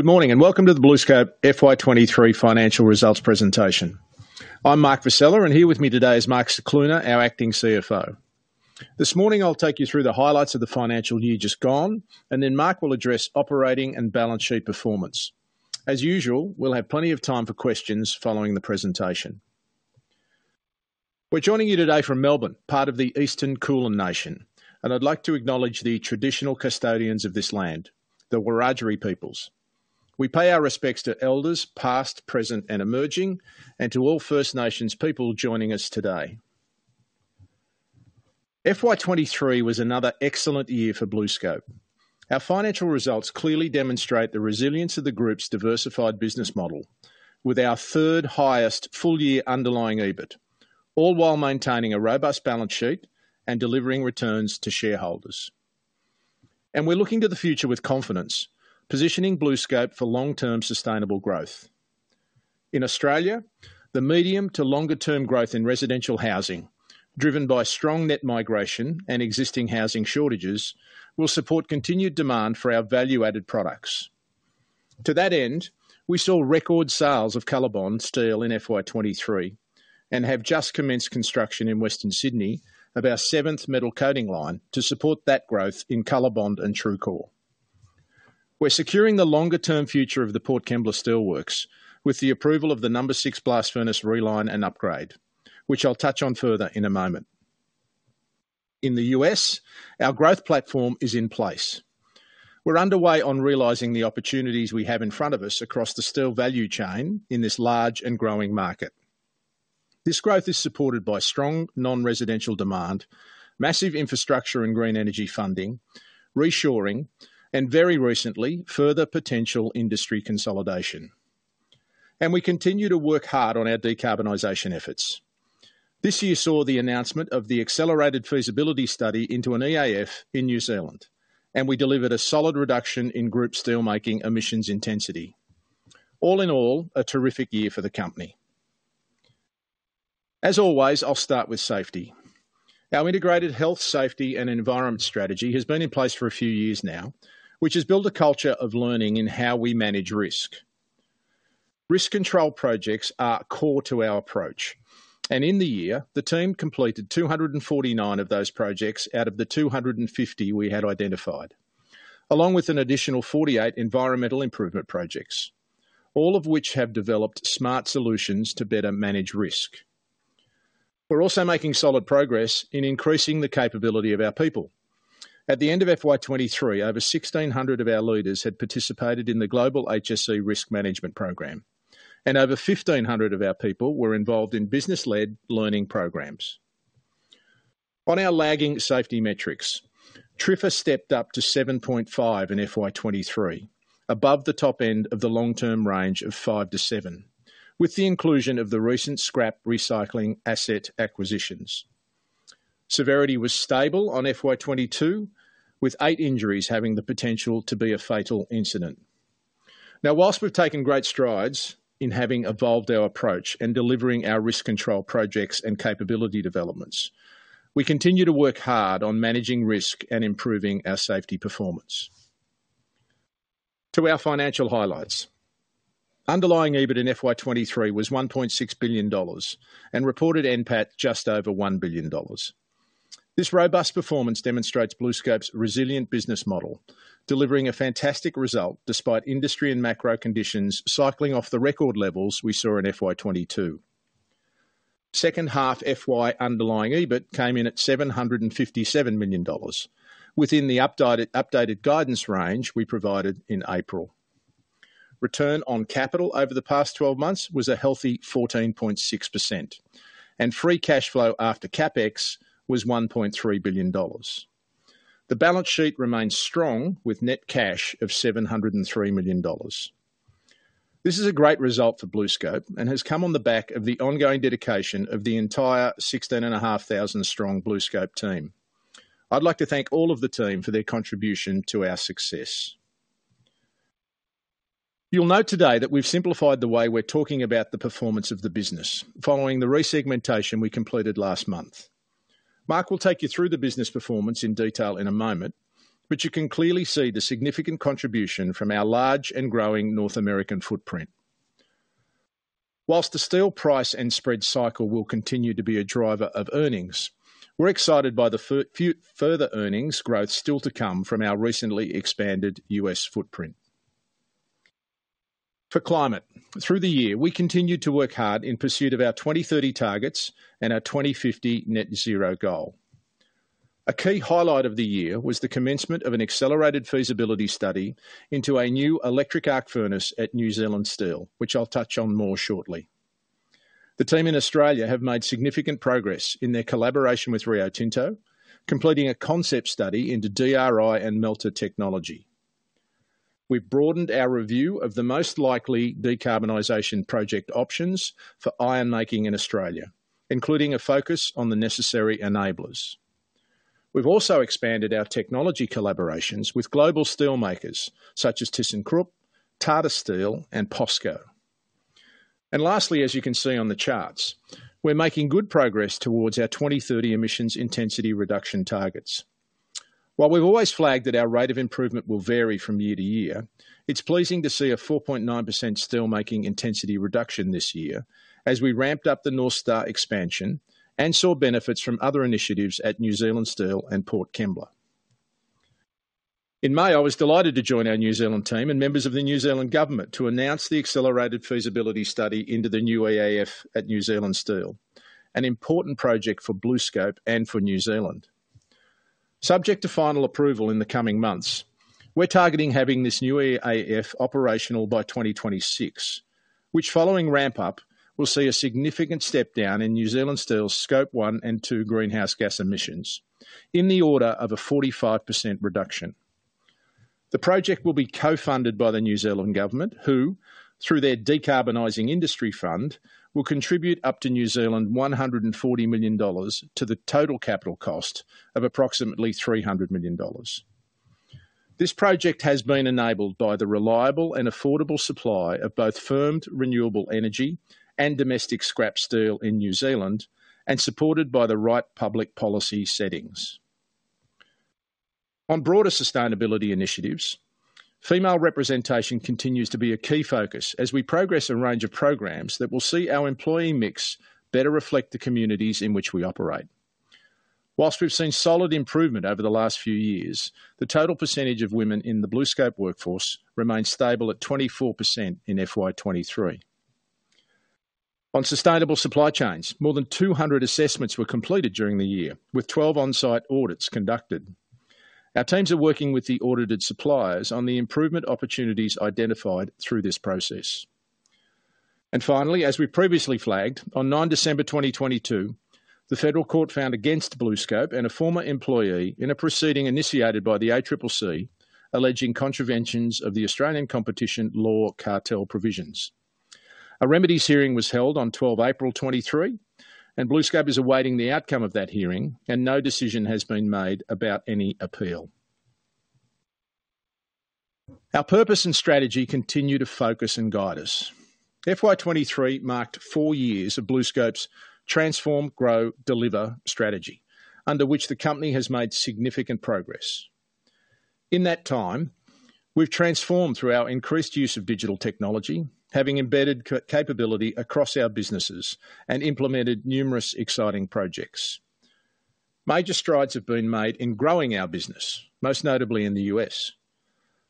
Good morning, welcome to the BlueScope FY2023 Financial Results presentation. I'm Mark Vassella, and here with me today is Mark Scicluna, our acting CFO. This morning, I'll take you through the highlights of the financial year just gone, and then Mark will address operating and balance sheet performance. As usual, we'll have plenty of time for questions following the presentation. We're joining you today from Melbourne, part of the Eastern Kulin Nation, and I'd like to acknowledge the traditional custodians of this land, the Wurundjeri peoples. We pay our respects to elders, past, present, and emerging, and to all First Nations people joining us today. FY2023 was another excellent year for BlueScope. Our financial results clearly demonstrate the resilience of the group's diversified business model, with our third-highest full-year underlying EBIT, all while maintaining a robust balance sheet and delivering returns to shareholders. We're looking to the future with confidence, positioning BlueScope for long-term sustainable growth. In Australia, the medium to longer term growth in residential housing, driven by strong net migration and existing housing shortages, will support continued demand for our value-added products. To that end, we saw record sales of COLORBOND steel in FY2023 and have just commenced construction in Western Sydney of our seventh metal coating line to support that growth in COLORBOND and TRUECORE. We're securing the longer term future of the Port Kembla Steelworks with the approval of the No. 6 Blast Furnace reline and upgrade, which I'll touch on further in a moment. In the U.S., our growth platform is in place. We're underway on realizing the opportunities we have in front of us across the steel value chain in this large and growing market. This growth is supported by strong non-residential demand, massive infrastructure and green energy funding, reshoring, and very recently, further potential industry consolidation. We continue to work hard on our decarbonization efforts. This year saw the announcement of the accelerated feasibility study into an EAF in New Zealand, and we delivered a solid reduction in group steelmaking emissions intensity. All in all, a terrific year for the company. As always, I'll start with safety. Our integrated health, safety, and environment strategy has been in place for a few years now, which has built a culture of learning in how we manage risk. Risk control projects are core to our approach. In the year, the team completed 249 of those projects out of the 250 we had identified, along with an additional 48 environmental improvement projects, all of which have developed smart solutions to better manage risk. We're also making solid progress in increasing the capability of our people. At the end of FY2023, over 1,600 of our leaders had participated in the Global HSE Risk Management Program. Over 1,500 of our people were involved in business-led learning programs. On our lagging safety metrics, TRIFR stepped up to 7.5 in FY2023, above the top end of the long-term range of five-seven, with the inclusion of the recent scrap recycling asset acquisitions. Severity was stable on FY2022, with eight injuries having the potential to be a fatal incident. Now, whilst we've taken great strides in having evolved our approach and delivering our risk control projects and capability developments, we continue to work hard on managing risk and improving our safety performance. To our financial highlights: underlying EBIT in FY2023 was $1.6 billion, and reported NPAT, just over $1 billion. This robust performance demonstrates BlueScope's resilient business model, delivering a fantastic result despite industry and macro conditions, cycling off the record levels we saw in FY2022. Second half FY underlying EBIT came in at $757 million, within the updated, updated guidance range we provided in April. Return on capital over the past 12 months was a healthy 14.6%, and free cash flow after CapEx was $1.3 billion. The balance sheet remains strong, with net cash of $703 million. This is a great result for BlueScope and has come on the back of the ongoing dedication of the entire 16,500-strong BlueScope team. I'd like to thank all of the team for their contribution to our success. You'll note today that we've simplified the way we're talking about the performance of the business, following the resegmentation we completed last month. Mark will take you through the business performance in detail in a moment, but you can clearly see the significant contribution from our large and growing North American footprint. Whilst the steel price and spread cycle will continue to be a driver of earnings, we're excited by the few, further earnings growth still to come from our recently expanded U.S. footprint. For climate, through the year, we continued to work hard in pursuit of our 2030 targets and our 2050 net zero goal. A key highlight of the year was the commencement of an accelerated feasibility study into a new electric arc furnace at New Zealand Steel, which I'll touch on more shortly. The team in Australia have made significant progress in their collaboration with Rio Tinto, completing a concept study into DRI and melter technology. We've broadened our review of the most likely decarbonization project options for iron-making in Australia, including a focus on the necessary enablers. We've also expanded our technology collaborations with global steelmakers such as ThyssenKrupp, Tata Steel, and POSCO. Lastly, as you can see on the charts, we're making good progress towards our 2030 emissions intensity reduction targets. While we've always flagged that our rate of improvement will vary from year to year, it's pleasing to see a 4.9% steel-making intensity reduction this year as we ramped up the North Star expansion and saw benefits from other initiatives at New Zealand Steel and Port Kembla. In May, I was delighted to join our New Zealand team and members of the New Zealand Government to announce the accelerated feasibility study into the new EAF at New Zealand Steel, an important project for BlueScope and for New Zealand. Subject to final approval in the coming months, we're targeting having this new EAF operational by 2026, which, following ramp-up, will see a significant step down in New Zealand Steel's Scope 1 and 2 greenhouse gas emissions, in the order of a 45% reduction. The project will be co-funded by the New Zealand Government, who, through their Decarbonising Industry Fund, will contribute up to 140 million New Zealand dollars to the total capital cost of approximately 300 million dollars. This project has been enabled by the reliable and affordable supply of both firmed, renewable energy and domestic scrap steel in New Zealand, and supported by the right public policy settings. On broader sustainability initiatives, female representation continues to be a key focus as we progress a range of programs that will see our employee mix better reflect the communities in which we operate. Whilst we've seen solid improvement over the last few years, the total percentage of women in the BlueScope workforce remains stable at 24% in FY2023. On sustainable supply chains, more than 200 assessments were completed during the year, with 12 on-site audits conducted. Our teams are working with the audited suppliers on the improvement opportunities identified through this process. Finally, as we previously flagged, on December 9, 2022, the Federal Court found against BlueScope and a former employee in a proceeding initiated by the ACCC, alleging contraventions of the Australian competition law cartel provisions. A remedies hearing was held on April 12, 2023, and BlueScope is awaiting the outcome of that hearing, and no decision has been made about any appeal. Our purpose and strategy continue to focus and guide us. FY2023 marked four years of BlueScope's Transform, Grow, Deliver strategy, under which the company has made significant progress. In that time, we've transformed through our increased use of digital technology, having embedded capability across our businesses and implemented numerous exciting projects. Major strides have been made in growing our business, most notably in the U.S..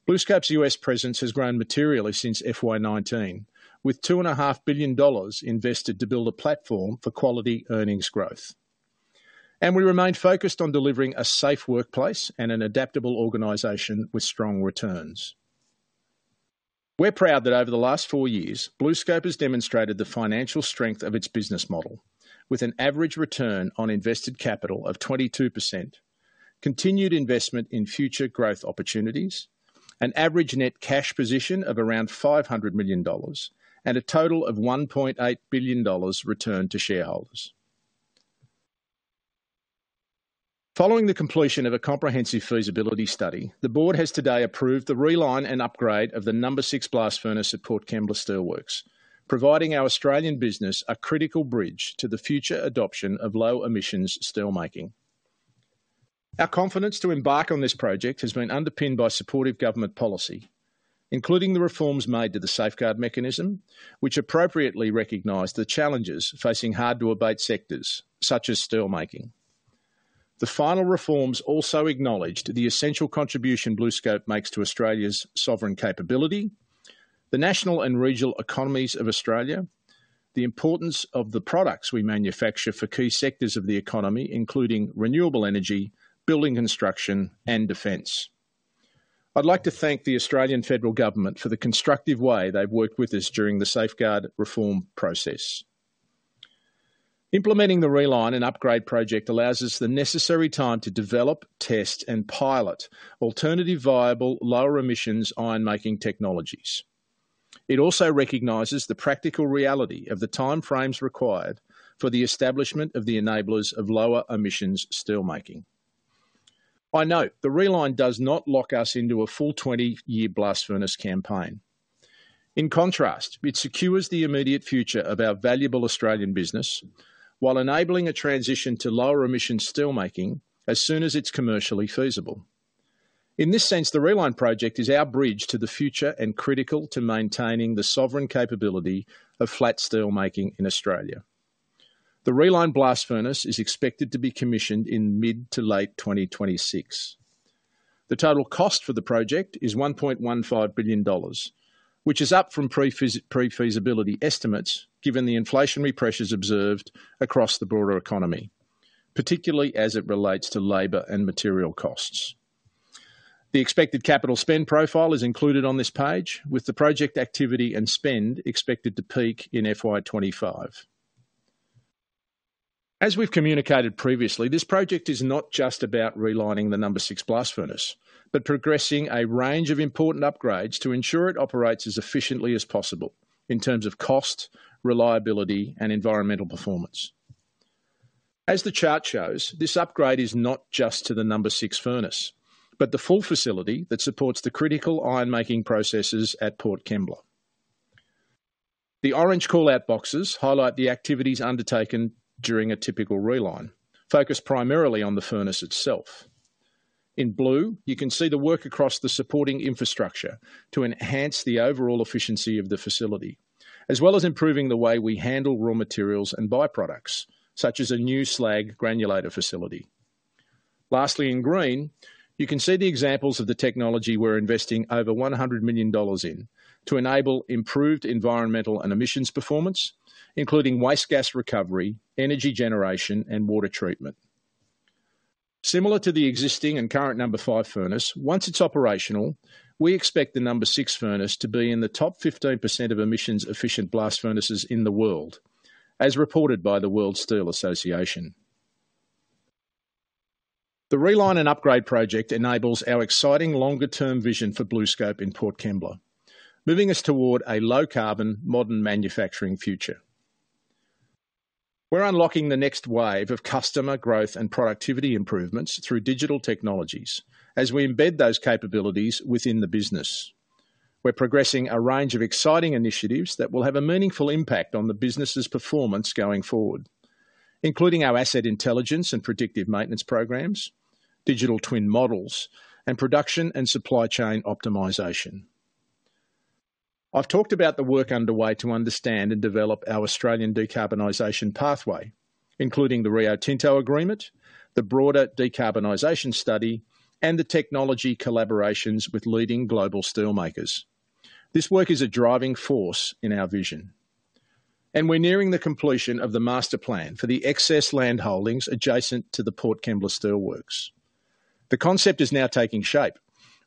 BlueScope's US presence has grown materially since FY2019, with $2.5 billion invested to build a platform for quality earnings growth. We remain focused on delivering a safe workplace and an adaptable organization with strong returns. We're proud that over the last four years, BlueScope has demonstrated the financial strength of its business model, with an average return on invested capital of 22%, continued investment in future growth opportunities, an average net cash position of around $500 million, and a total of $1.8 billion returned to shareholders. Following the completion of a comprehensive feasibility study, the board has today approved the reline and upgrade of the No. 6 Blast Furnace at Port Kembla Steelworks, providing our Australian business a critical bridge to the future adoption of low-emissions steelmaking. Our confidence to embark on this project has been underpinned by supportive Government policy, including the reforms made to the Safeguard Mechanism, which appropriately recognized the challenges facing hard-to-abate sectors, such as steelmaking. The final reforms also acknowledged the essential contribution BlueScope makes to Australia's sovereign capability, the national and regional economies of Australia, the importance of the products we manufacture for key sectors of the economy, including renewable energy, building construction, and defense. I'd like to thank the Australian Federal Government for the constructive way they've worked with us during the safeguard reform process. Implementing the reline and upgrade project allows us the necessary time to develop, test, and pilot alternative, viable, lower-emissions iron-making technologies. It also recognizes the practical reality of the timeframes required for the establishment of the enablers of lower-emissions steelmaking. I note the reline does not lock us into a full 20-year blast furnace campaign. In contrast, it secures the immediate future of our valuable Australian business while enabling a transition to lower-emission steelmaking as soon as it's commercially feasible. In this sense, the reline project is our bridge to the future and critical to maintaining the sovereign capability of flat steelmaking in Australia. The relined Blast Furnace is expected to be commissioned in mid to late 2026. The total cost for the project is $1.15 billion, which is up from pre-feasibility estimates, given the inflationary pressures observed across the broader economy, particularly as it relates to labor and material costs. The expected capital spend profile is included on this page, with the project activity and spend expected to peak in FY2025. As we've communicated previously, this project is not just about relining the No. 6 Blast Furnace, but progressing a range of important upgrades to ensure it operates as efficiently as possible in terms of cost, reliability, and environmental performance. As the chart shows, this upgrade is not just to the No. 6 Furnace, but the full facility that supports the critical iron-making processes at Port Kembla. The orange call-out boxes highlight the activities undertaken during a typical reline, focused primarily on the furnace itself. In blue, you can see the work across the supporting infrastructure to enhance the overall efficiency of the facility, as well as improving the way we handle raw materials and byproducts, such as a new slag granulator facility. Lastly, in green, you can see the examples of the technology we're investing over $100 million in, to enable improved environmental and emissions performance, including waste gas recovery, energy generation, and water treatment. Similar to the existing and current No. 5 Furnace, once it's operational, we expect the No. 6 Furnace to be in the top 15% of emissions-efficient blast furnaces in the world, as reported by the World Steel Association. The reline and upgrade project enables our exciting longer-term vision for BlueScope in Port Kembla, moving us toward a low-carbon, modern manufacturing future. We're unlocking the next wave of customer growth and productivity improvements through digital technologies, as we embed those capabilities within the business. We're progressing a range of exciting initiatives that will have a meaningful impact on the business's performance going forward, including our asset intelligence and predictive maintenance programs, digital twin models, and production and supply chain optimization. I've talked about the work underway to understand and develop our Australian decarbonization pathway, including the Rio Tinto agreement, the broader decarbonization study, and the technology collaborations with leading global steelmakers. This work is a driving force in our vision, and we're nearing the completion of the master plan for the excess land holdings adjacent to the Port Kembla Steelworks. The concept is now taking shape,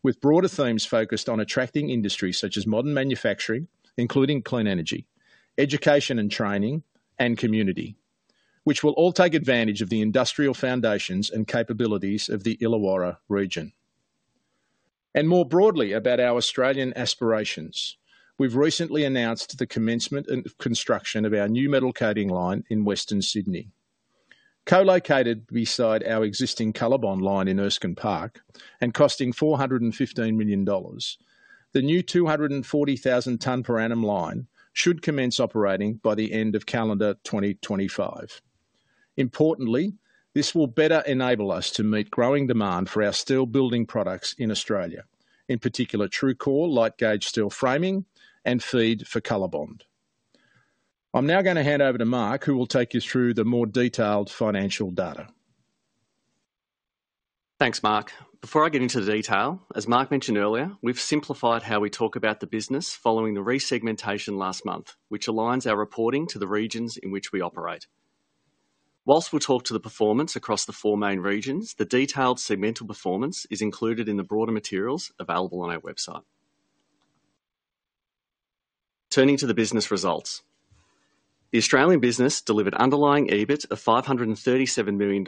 with broader themes focused on attracting industries such as modern manufacturing, including clean energy, education and training, and community, which will all take advantage of the industrial foundations and capabilities of the Illawarra region. More broadly, about our Australian aspirations, we've recently announced the commencement and construction of our new metal coating line in Western Sydney. Co-located beside our existing COLORBOND line in Erskine Park and costing $415 million, the new 240,000 ton per annum line should commence operating by the end of calendar 2025. Importantly, this will better enable us to meet growing demand for our steel building products in Australia, in particular, TRUECORE light gauge steel framing and feed for COLORBOND. I'm now going to hand over to Mark, who will take you through the more detailed financial data. Thanks, Mark. Before I get into the detail, as Mark mentioned earlier, we've simplified how we talk about the business following the resegmentation last month, which aligns our reporting to the regions in which we operate. Whilst we'll talk to the performance across the four main regions, the detailed segmental performance is included in the broader materials available on our website. Turning to the business results. The Australian business delivered underlying EBIT of $537 million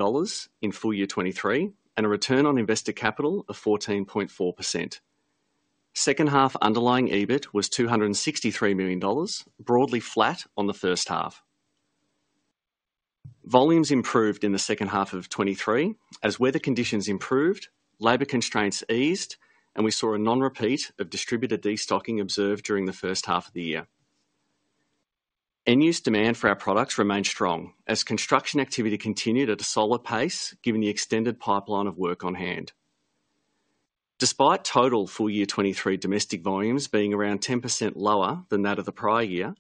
in full year 2023, and a return on invested capital of 14.4%. Second half underlying EBIT was $263 million, broadly flat on the first half. Volumes improved in the second half of 2023 as weather conditions improved, labor constraints eased, and we saw a non-repeat of distributor destocking observed during the first half of the year. End-use demand for our products remained strong as construction activity continued at a solid pace, given the extended pipeline of work on hand. Despite total full year FY2023 domestic volumes being around 10% lower than that of the prior year,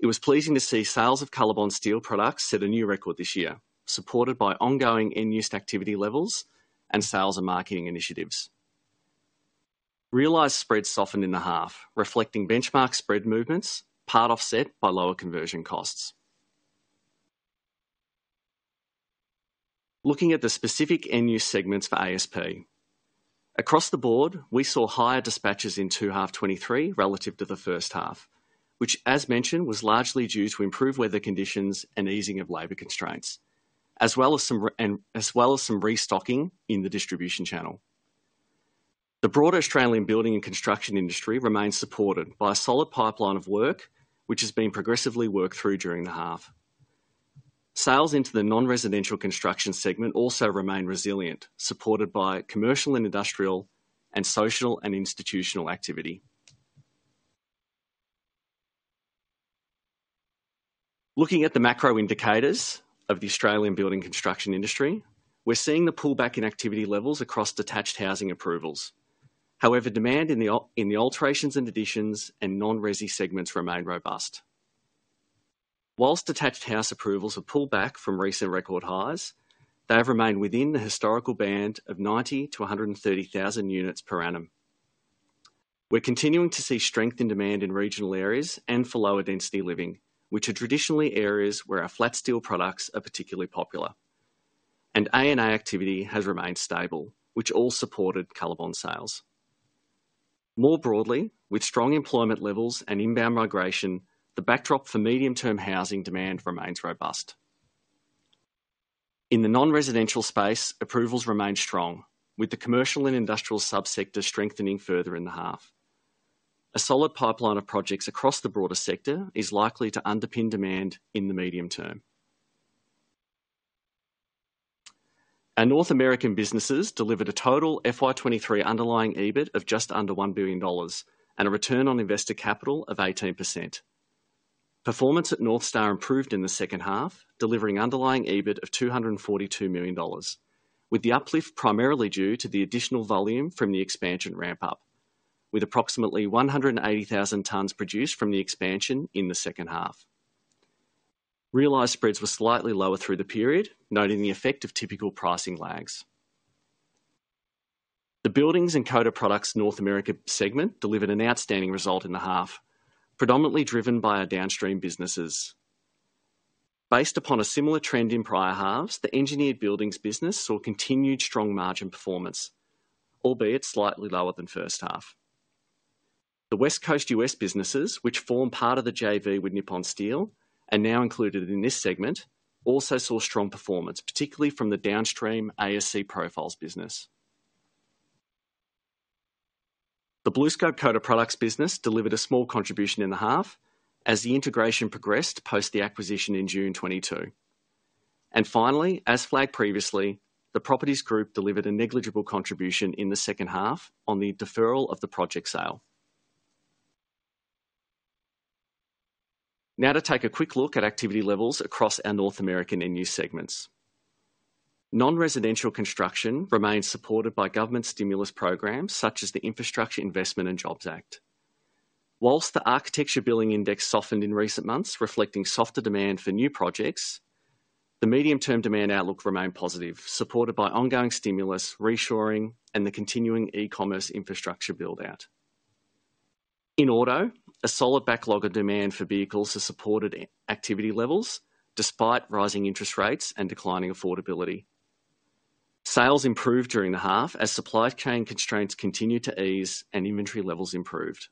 it was pleasing to see sales of COLORBOND steel products set a new record this year, supported by ongoing end-use activity levels and sales and marketing initiatives. Realized spreads softened in the half, reflecting benchmark spread movements, part offset by lower conversion costs. Looking at the specific end-use segments for ASP. Across the board, we saw higher dispatches in 2H 2023 relative to the first half, which, as mentioned, was largely due to improved weather conditions and easing of labor constraints, as well as some restocking in the distribution channel. The broader Australian building and construction industry remains supported by a solid pipeline of work, which is being progressively worked through during the half. Sales into the non-residential construction segment also remain resilient, supported by commercial and industrial and social and institutional activity. Looking at the macro indicators of the Australian building construction industry, we're seeing the pullback in activity levels across detached housing approvals. Demand in the alterations and additions and non-resi segments remain robust. Whilst detached house approvals have pulled back from recent record highs, they have remained within the historical band of 90,000-130,000 units per annum. We're continuing to see strength in demand in regional areas and for lower density living, which are traditionally areas where our flat steel products are particularly popular, and A&A activity has remained stable, which all supported COLORBOND sales. More broadly, with strong employment levels and inbound migration, the backdrop for medium-term housing demand remains robust. In the non-residential space, approvals remain strong, with the commercial and industrial sub-sector strengthening further in the half. A solid pipeline of projects across the broader sector is likely to underpin demand in the medium term. Our North American businesses delivered a total FY2023 underlying EBIT of just under $1 billion, and a return on investor capital of 18%. Performance at North Star improved in the second half, delivering underlying EBIT of $242 million, with the uplift primarily due to the additional volume from the expansion ramp-up, with approximately 180,000 tons produced from the expansion in the second half. Realized spreads were slightly lower through the period, noting the effect of typical pricing lags. The Buildings and Coated Products North America segment delivered an outstanding result in the half, predominantly driven by our downstream businesses. Based upon a similar trend in prior halves, the engineered buildings business saw continued strong margin performance, albeit slightly lower than first half. The West Coast U.S. businesses, which form part of the JV with Nippon Steel, are now included in this segment, also saw strong performance, particularly from the downstream ASC Profiles business. The BlueScope Coated Products business delivered a small contribution in the half as the integration progressed post the acquisition in June 2022. Finally, as flagged previously, the Properties Group delivered a negligible contribution in the second half on the deferral of the project sale. Now to take a quick look at activity levels across our North American and New segments. Non-residential construction remains supported by government stimulus programs, such as the Infrastructure Investment and Jobs Act. Whilst the Architecture Billings Index softened in recent months, reflecting softer demand for new projects, the medium-term demand outlook remained positive, supported by ongoing stimulus, reshoring, and the continuing e-commerce infrastructure build-out. In auto, a solid backlog of demand for vehicles has supported activity levels despite rising interest rates and declining affordability. Sales improved during the half as supply chain constraints continued to ease and inventory levels improved.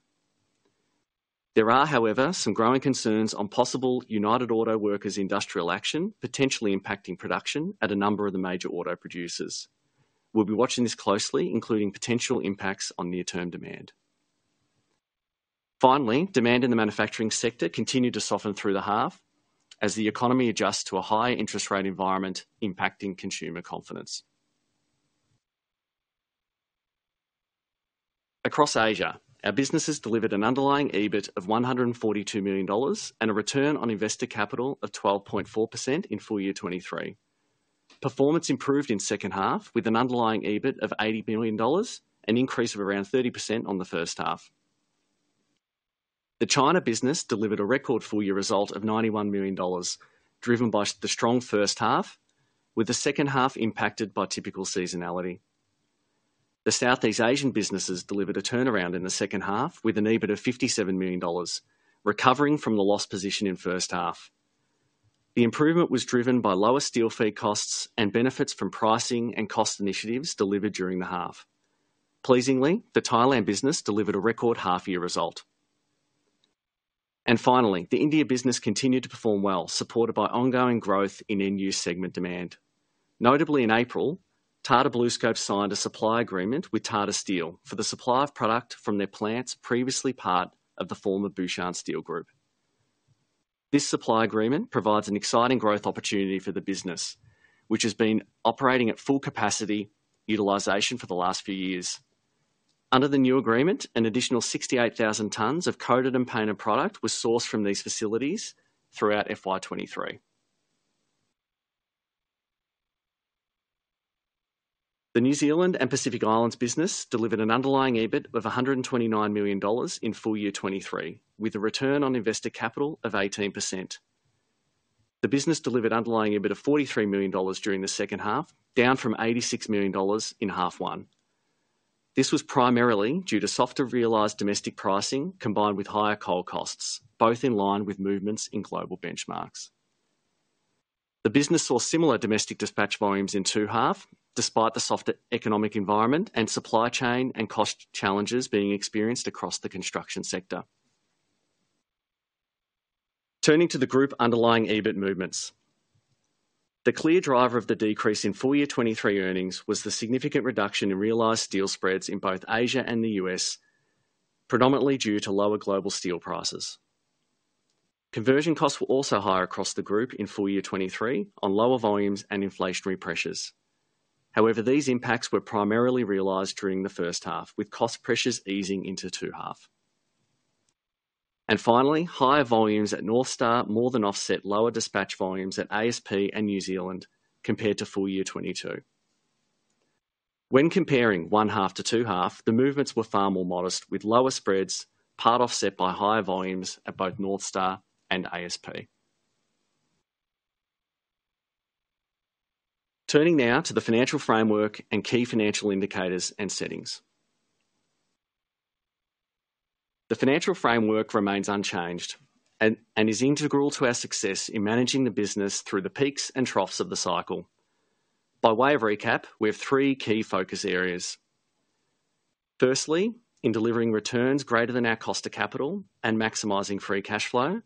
There are, however, some growing concerns on possible United Auto Workers industrial action, potentially impacting production at a number of the major auto producers. We'll be watching this closely, including potential impacts on near-term demand. Finally, demand in the manufacturing sector continued to soften through the half as the economy adjusts to a higher interest rate environment, impacting consumer confidence. Across Asia, our businesses delivered an underlying EBIT of $142 million, a return on investor capital of 12.4% in FY2023. Performance improved in second half, with an underlying EBIT of $80 million, an increase of around 30% on the first half. The China business delivered a record full-year result of $91 million, driven by the strong first half, with the second half impacted by typical seasonality. The Southeast Asian businesses delivered a turnaround in the second half, with an EBIT of $57 million, recovering from the loss position in first half. The improvement was driven by lower steel feed costs and benefits from pricing and cost initiatives delivered during the half. Pleasingly, the Thailand business delivered a record half-year result. Finally, the India business continued to perform well, supported by ongoing growth in end-use segment demand. Notably, in April, Tata BlueScope signed a supply agreement with Tata Steel for the supply of product from their plants, previously part of the former Bhushan Steel Group. This supply agreement provides an exciting growth opportunity for the business, which has been operating at full capacity utilization for the last few years. Under the new agreement, an additional 68,000 tons of coated and painted product was sourced from these facilities throughout FY2023. The New Zealand and Pacific Islands business delivered an underlying EBIT of $129 million in FY2023, with a return on investor capital of 18%. The business delivered underlying EBIT of $43 million during the second half, down from $86 million in half one. This was primarily due to softer realized domestic pricing, combined with higher coal costs, both in line with movements in global benchmarks. The business saw similar domestic dispatch volumes in 2H, despite the softer economic environment and supply chain and cost challenges being experienced across the construction sector. Turning to the group underlying EBIT movements. The clear driver of the decrease in full year 2023 earnings was the significant reduction in realized steel spreads in both Asia and the U.S., predominantly due to lower global steel prices. Conversion costs were also higher across the group in full year 2023 on lower volumes and inflationary pressures. However, these impacts were primarily realized during the first half, with cost pressures easing into 2Hf. Finally, higher volumes at North Star more than offset lower dispatch volumes at ASP and New Zealand compared to full year 2022. When comparing 1H to 2H, the movements were far more modest, with lower spreads, part offset by higher volumes at both North Star and ASP. Turning now to the financial framework and key financial indicators and settings. The financial framework remains unchanged and is integral to our success in managing the business through the peaks and troughs of the cycle. By way of recap, we have three key focus areas. Firstly, in delivering returns greater than our cost of capital and maximizing free cash flow.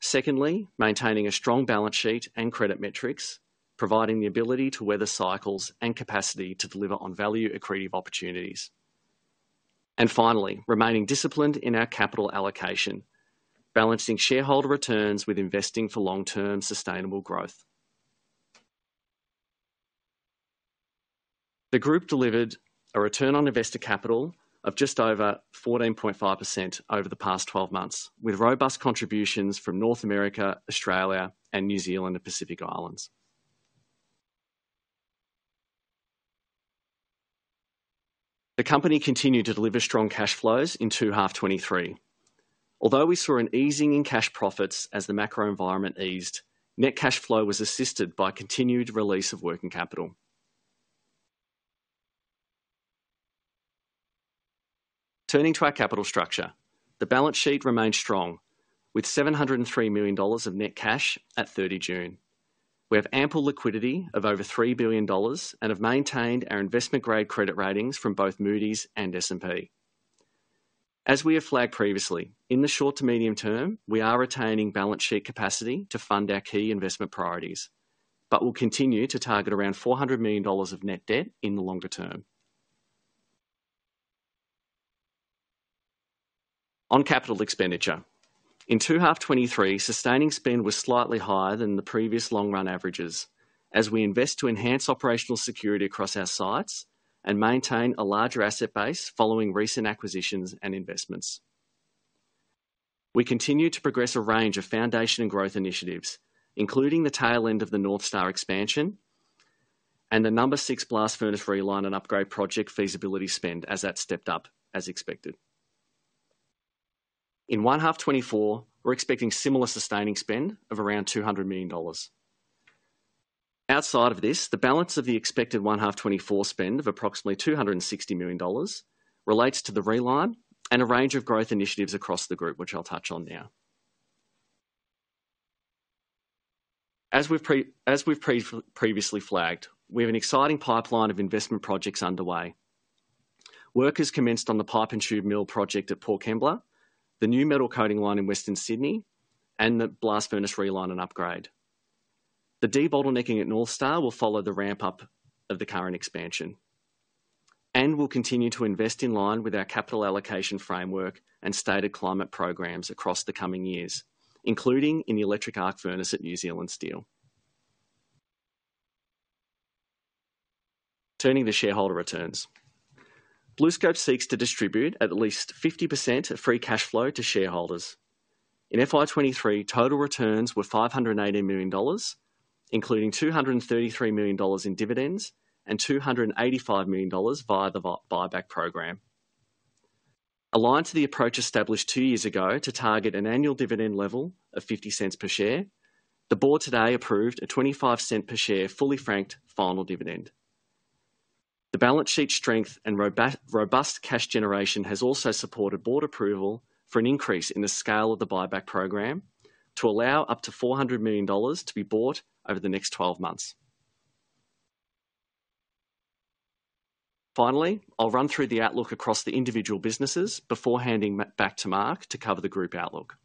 Secondly, maintaining a strong balance sheet and credit metrics, providing the ability to weather cycles and capacity to deliver on value-accretive opportunities. Finally, remaining disciplined in our capital allocation, balancing shareholder returns with investing for long-term sustainable growth. The group delivered a return on investor capital of just over 14.5% over the past 12 months, with robust contributions from North America, Australia, and New Zealand, and Pacific Islands. The company continued to deliver strong cash flows in 2H 2023. Although we saw an easing in cash profits as the macro environment eased, net cash flow was assisted by continued release of working capital. Turning to our capital structure, the balance sheet remained strong, with $703 million of net cash at June 30. We have ample liquidity of over $3 billion and have maintained our investment-grade credit ratings from both Moody's and S&P. As we have flagged previously, in the short to medium term, we are retaining balance sheet capacity to fund our key investment priorities, but we'll continue to target around $400 million of net debt in the longer term. On capital expenditure, in 2H 2023, sustaining spend was slightly higher than the previous long-run averages, as we invest to enhance operational security across our sites and maintain a larger asset base following recent acquisitions and investments. We continue to progress a range of foundation and growth initiatives, including the tail end of the North Star expansion and the No. 6 Blast Furnace reline and upgrade project feasibility spend, as that stepped up as expected. In 1H 2024, we're expecting similar sustaining spend of around $200 million. Outside of this, the balance of the expected 1H 2024 spend of approximately $260 million relates to the reline and a range of growth initiatives across the group, which I'll touch on now. As we've previously flagged, we have an exciting pipeline of investment projects underway. Work has commenced on the pipe and tube mill project at Port Kembla, the new metal coating line in Western Sydney, and the blast furnace reline and upgrade. The debottlenecking at North Star will follow the ramp-up of the current expansion, and we'll continue to invest in line with our capital allocation framework and stated climate programs across the coming years, including in the electric arc furnace at New Zealand Steel. Turning to shareholder returns. BlueScope seeks to distribute at least 50% of free cash flow to shareholders. In FY2023, total returns were $580 million, including $233 million in dividends and $285 million via the buyback program. Aligned to the approach established two years ago to target an annual dividend level of $0.50 per share, the board today approved a $0.25 per share, fully franked final dividend. The balance sheet strength and robust cash generation has also supported board approval for an increase in the scale of the buyback program, to allow up to $400 million to be bought over the next 12 months. Finally, I'll run through the outlook across the individual businesses before handing back to Mark to cover the group outlook.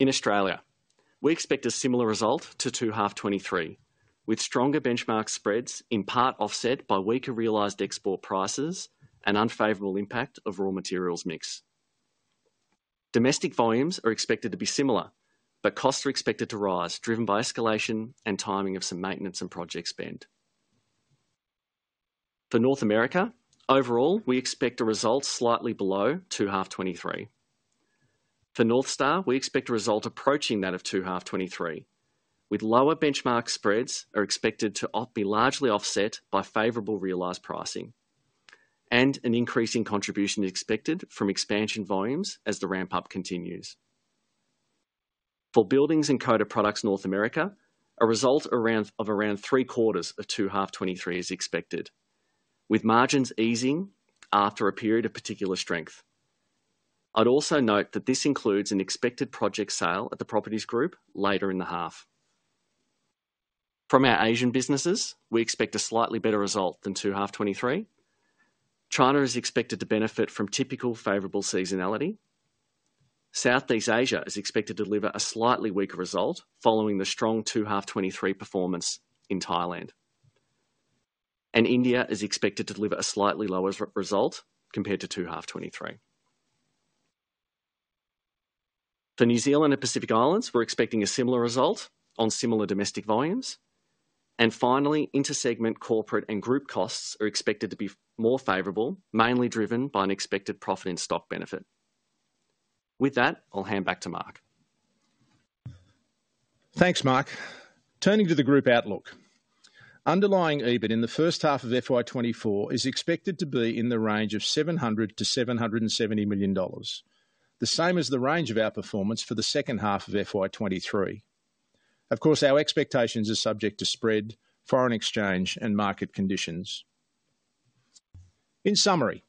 In Australia, we expect a similar result to 2H 2023, with stronger benchmark spreads, in part offset by weaker realized export prices and unfavorable impact of raw materials mix. Costs are expected to rise, driven by escalation and timing of some maintenance and project spend. For North America, overall, we expect a result slightly below 2H 2023. For North Star, we expect a result approaching that of 2H 2023, with lower benchmark spreads are expected to be largely offset by favorable realized pricing and an increasing contribution expected from expansion volumes as the ramp-up continues. For Buildings and Coated Products North America, a result around, of around three-quarters of 2H 2023 is expected, with margins easing after a period of particular strength. I'd also note that this includes an expected project sale at the Properties Group later in the half. From our Asian businesses, we expect a slightly better result than 2H 2023. China is expected to benefit from typical favorable seasonality. Southeast Asia is expected to deliver a slightly weaker result following the strong 2H 2023 performance in Thailand. India is expected to deliver a slightly lower result compared to 2H 2023. For New Zealand and Pacific Islands, we're expecting a similar result on similar domestic volumes. Finally, intersegment corporate and group costs are expected to be more favorable, mainly driven by an expected profit in stock benefit. With that, I'll hand back to Mark. Thanks, Mark. Turning to the group outlook. Underlying EBIT in the first half of FY2024 is expected to be in the range of $700 million-$770 million, the same as the range of our performance for the second half of FY2023. Of course, our expectations are subject to spread, foreign exchange, and market conditions. In summary,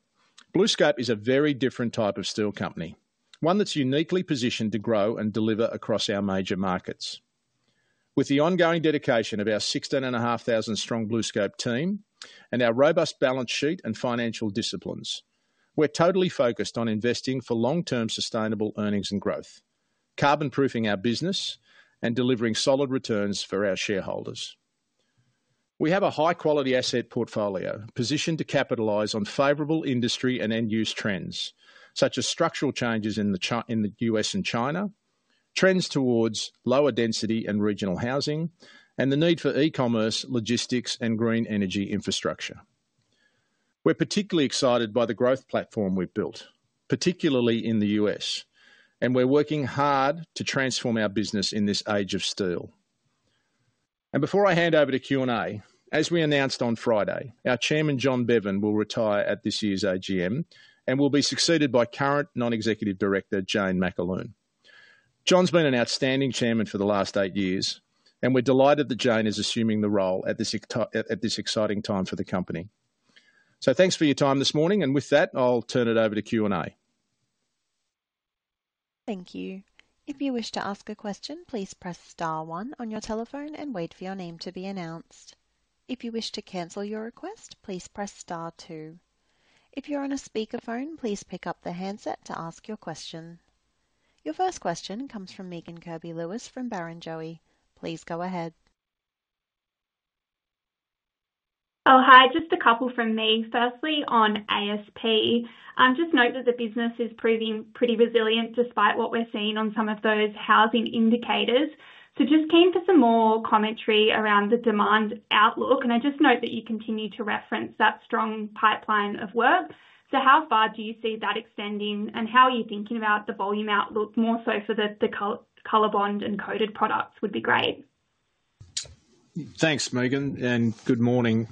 BlueScope is a very different type of steel company, one that's uniquely positioned to grow and deliver across our major markets. With the ongoing dedication of our 16,500 strong BlueScope team and our robust balance sheet and financial disciplines, we're totally focused on investing for long-term sustainable earnings and growth, carbon-proofing our business and delivering solid returns for our shareholders. We have a high-quality asset portfolio positioned to capitalize on favorable industry and end-use trends, such as structural changes in the in the U.S. and China, trends towards lower density and regional housing, and the need for e-commerce, logistics, and green energy infrastructure. We're particularly excited by the growth platform we've built, particularly in the U.S., and we're working hard to transform our business in this age of steel. Before I hand over to Q&A, as we announced on Friday, our Chairman, John Bevan, will retire at this year's AGM and will be succeeded by current Non-Executive Director, Jane McAloon. John's been an outstanding Chairman for the last eight years, and we're delighted that Jane is assuming the role at this exciting time for the company. Thanks for your time this morning, and with that, I'll turn it over to Q&A. Thank you. If you wish to ask a question, please press star one on your telephone and wait for your name to be announced. If you wish to cancel your request, please press star two. If you're on a speakerphone, please pick up the handset to ask your question. Your first question comes from Megan Kirby-Lewis from Barrenjoey. Please go ahead. Oh, hi, just a couple from me. Firstly, on ASP, just note that the business is proving pretty resilient despite what we're seeing on some of those housing indicators. Just keen for some more commentary around the demand outlook. I just note that you continue to reference that strong pipeline of work. How far do you see that extending, and how are you thinking about the volume outlook, more so for the COLORBOND and coated products would be great? Thanks, Megan, and good morning.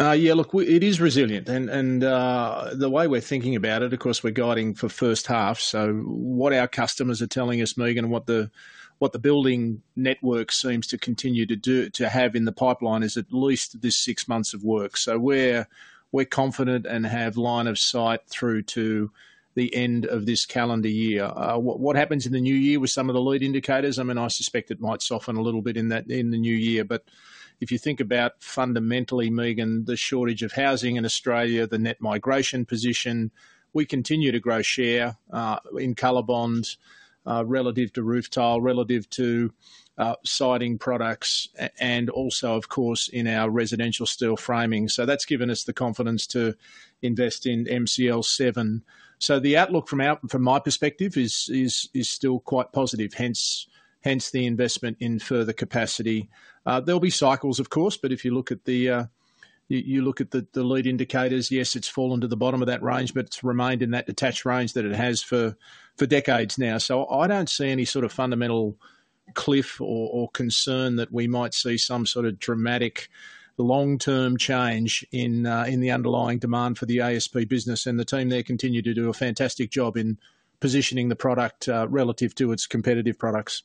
Look, it is resilient, the way we're thinking about it, of course, we're guiding for first half, so what our customers are telling us, Megan, what the building network seems to continue to do, to have in the pipeline is at least this six months of work. We're confident and have line of sight through to the end of this calendar year. What happens in the new year with some of the lead indicators? I mean, I suspect it might soften a little bit in that, in the new year. If you think about fundamentally, Megan, the shortage of housing in Australia, the net migration position, we continue to grow share in COLORBOND relative to roof tile, relative to siding products, and also, of course, in our residential steel framing. That's given us the confidence to invest in MCL7. The outlook from out, from my perspective is, is, is still quite positive, hence the investment in further capacity. There'll be cycles, of course, but if you look at the, you look at the, the lead indicators, yes, it's fallen to the bottom of that range, but it's remained in that detached range that it has for decades now. I don't see any sort of fundamental cliff or, or concern that we might see some sort of dramatic long-term change in the underlying demand for the ASP business. The team there continue to do a fantastic job in positioning the product relative to its competitive products.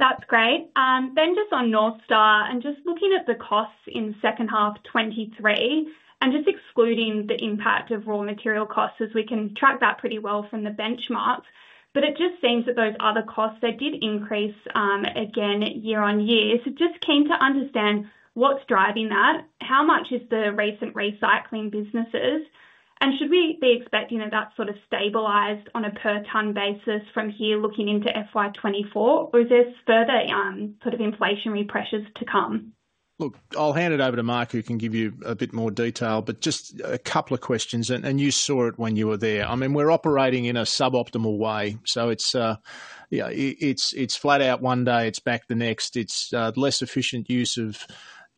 That's great. Just on North Star and just looking at the costs in second half 2023, and just excluding the impact of raw material costs, as we can track that pretty well from the benchmark. It just seems that those other costs, they did increase, again, year-on-year. Just keen to understand what's driving that, how much is the recent recycling businesses, and should we be expecting that sort of stabilized on a per ton basis from here looking into FY2024? Is there further, sort of inflationary pressures to come? Look, I'll hand it over to Mark, who can give you a bit more detail, but just a couple of questions, and you saw it when you were there. I mean, we're operating in a suboptimal way, so it's, yeah, it's, it's flat out one day, it's back the next. It's less efficient use of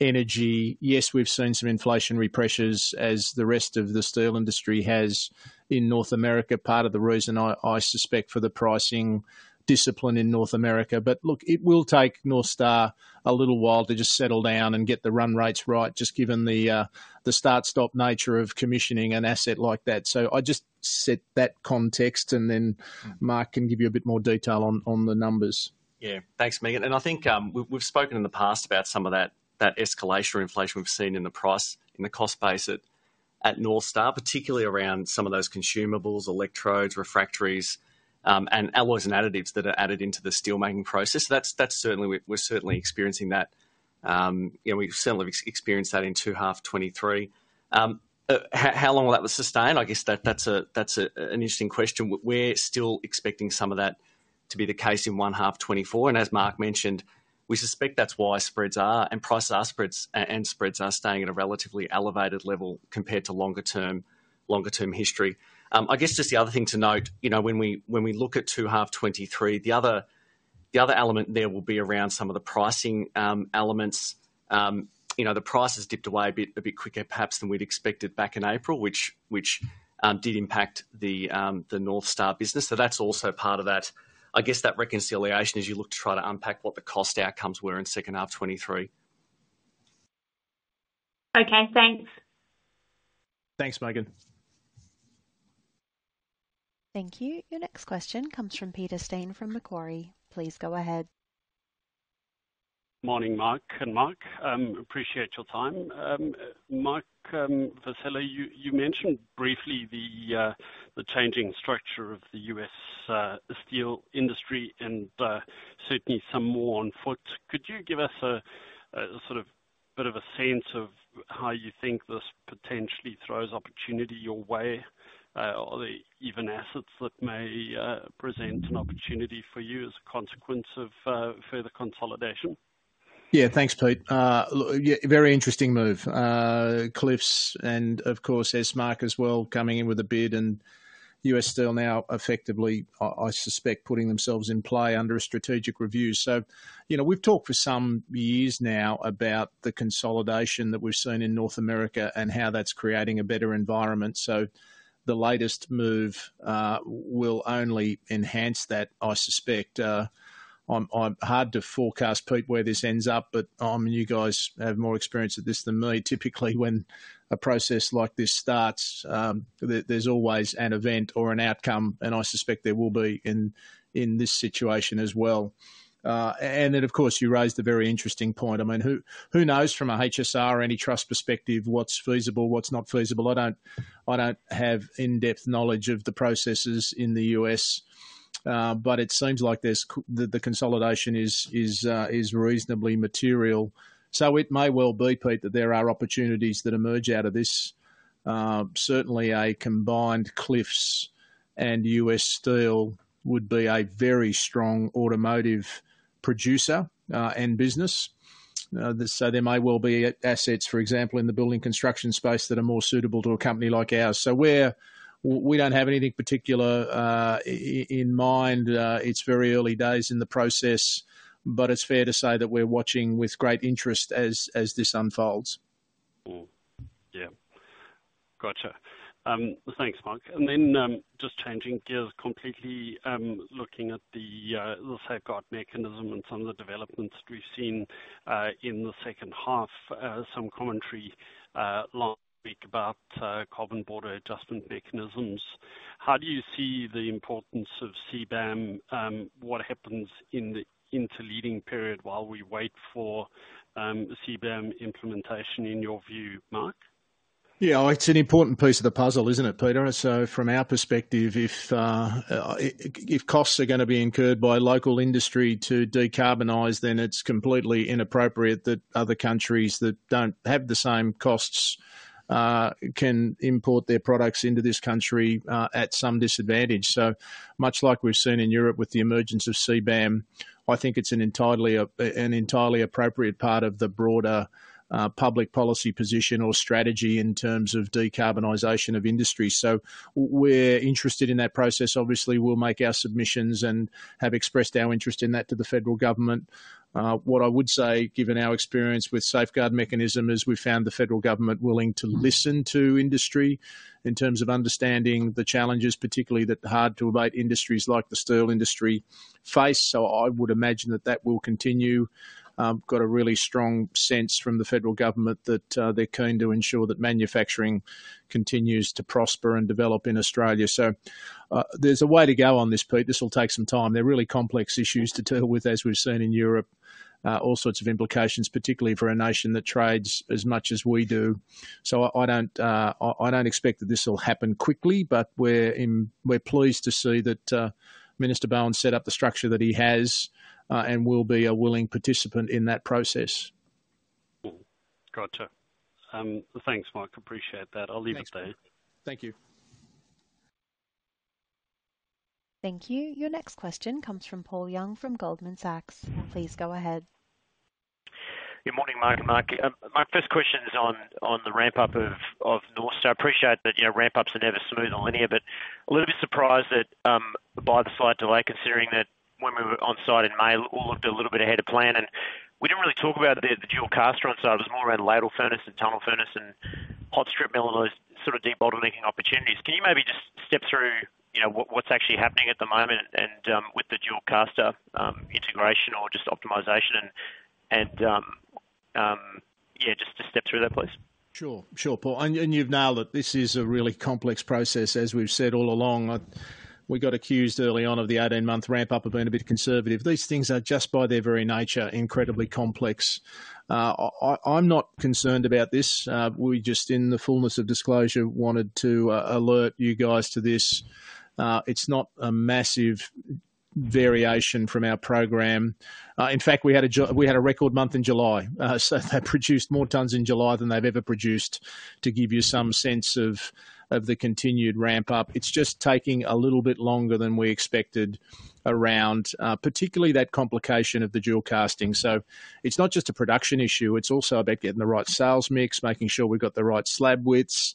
energy. Yes, we've seen some inflationary pressures as the rest of the steel industry has in North America. Part of the reason I, I suspect, for the pricing discipline in North America. Look, it will take North Star a little while to just settle down and get the run rates right, just given the start/stop nature of commissioning an asset like that. I just set that context and then Mark can give you a bit more detail on, on the numbers. Yeah. Thanks, Megan. I think we've, we've spoken in the past about some of that, that escalatory inflation we've seen in the price, in the cost base at North Star, particularly around some of those consumables, electrodes, refractories, and alloys and additives that are added into the steelmaking process. That's, that's certainly. We're, we're certainly experiencing that. You know, we've certainly experienced that in 2H 2023. How long will that sustain? I guess that's an interesting question. We're still expecting some of that to be the case in 1H 2024, and as Mark mentioned, we suspect that's why spreads are, and prices are spreads, and spreads are staying at a relatively elevated level compared to longer term, longer term history. I guess just the other thing to note, you know, when we, when we look at 2H 2023, the other, the other element there will be around some of the pricing elements. You know, the prices dipped away a bit, a bit quicker, perhaps, than we'd expected back in April, which, which, did impact the North Star business. That's also part of that, I guess that reconciliation, as you look to try to unpack what the cost outcomes were in second half 2023. Okay, thanks. Thanks, Megan. Thank you. Your next question comes from Peter Steyn, from Macquarie. Please go ahead. Morning, Mark and Mark. Appreciate your time. Mark, Vassella, you, you mentioned briefly the changing structure of the U.S. Steel industry and certainly some more on foot. Could you give us a bit of a sense of how you think this potentially throws opportunity your way? Are there even assets that may present an opportunity for you as a consequence of further consolidation? Yeah, thanks, Pete. Yeah, very interesting move. Cliffs and of course, Esmark as well, coming in with a bid, and U.S. Steel now effectively, I suspect, putting themselves in play under a strategic review. You know, we've talked for some years now about the consolidation that we've seen in North America and how that's creating a better environment. The latest move will only enhance that, I suspect. Hard to forecast, Pete, where this ends up, you guys have more experience at this than me. Typically, when a process like this starts, there's always an event or an outcome, I suspect there will be in this situation as well. Of course, you raised a very interesting point. I mean, who knows from a HSR or antitrust perspective, what's feasible, what's not feasible? I don't, I don't have in-depth knowledge of the processes in the U.S., but it seems like there's the, the consolidation is, is reasonably material. It may well be, Pete, that there are opportunities that emerge out of this. Certainly a combined Cliffs and U.S. Steel would be a very strong automotive producer and business. There may well be assets, for example, in the building construction space that are more suitable to a company like ours. We're, we don't have anything particular in mind. It's very early days in the process, but it's fair to say that we're watching with great interest as, as this unfolds. Mm. Yeah. Gotcha. Thanks, Mark. Then, just changing gears completely, looking at the, let's say, Safeguard Mechanism and some of the developments we've seen in the second half, some commentary last week about Carbon Border Adjustment Mechanism. How do you see the importance of CBAM? What happens in the interleading period while we wait for CBAM implementation, in your view, Mark? Yeah, it's an important piece of the puzzle, isn't it, Peter? From our perspective, if costs are gonna be incurred by local industry to decarbonize, then it's completely inappropriate that other countries that don't have the same costs can import their products into this country at some disadvantage. Much like we've seen in Europe with the emergence of CBAM, I think it's an entirely an entirely appropriate part of the broader public policy position or strategy in terms of decarbonization of industry. We're interested in that process. Obviously, we'll make our submissions and have expressed our interest in that to the federal government. What I would say, given our experience with Safeguard Mechanism, is we found the Federal Government willing to listen to industry in terms of understanding the challenges, particularly that the hard-to-abate industries like the steel industry face. I would imagine that that will continue. Got a really strong sense from the Federal Government that they're keen to ensure that manufacturing continues to prosper and develop in Australia. There's a way to go on this, Pete. This will take some time. They're really complex issues to deal with, as we've seen in Europe. All sorts of implications, particularly for a nation that trades as much as we do. I don't expect that this will happen quickly, but we're pleased to see that Chris Bowen set up the structure that he has and will be a willing participant in that process. Mm-hmm. Gotcha. Thanks, Mark. Appreciate that. I'll leave it there. Thank you. Thank you. Your next question comes from Paul Young, from Goldman Sachs. Please go ahead. Good morning, Mark and Mark. My first question is on the ramp-up of North. I appreciate that, you know, ramp-ups are never smooth or linear, but a little bit surprised that by the slight delay, considering that when we were on site in May, all looked a little bit ahead of plan, and we didn't really talk about the dual caster on site. It was more around lateral furnace and tunnel furnace and hot strip mill and those sort of debottlenecking opportunities. Can you maybe just step through, you know, what, what's actually happening at the moment and with the dual caster integration or just optimization and, and, yeah, just, just step through that, please. Sure. Sure, Paul, and you, and you've nailed it. This is a really complex process, as we've said all along. We got accused early on of the 18-month ramp-up of being a bit conservative. These things are, just by their very nature, incredibly complex. I, I, I'm not concerned about this. We just, in the fullness of disclosure, wanted to alert you guys to this. It's not a massive variation from our program. In fact, we had a we had a record month in July. They produced more tons in July than they've ever produced, to give you some sense of, of the continued ramp-up. It's just taking a little bit longer than we expected around, particularly that complication of the dual casting. It's not just a production issue, it's also about getting the right sales mix, making sure we've got the right slab widths.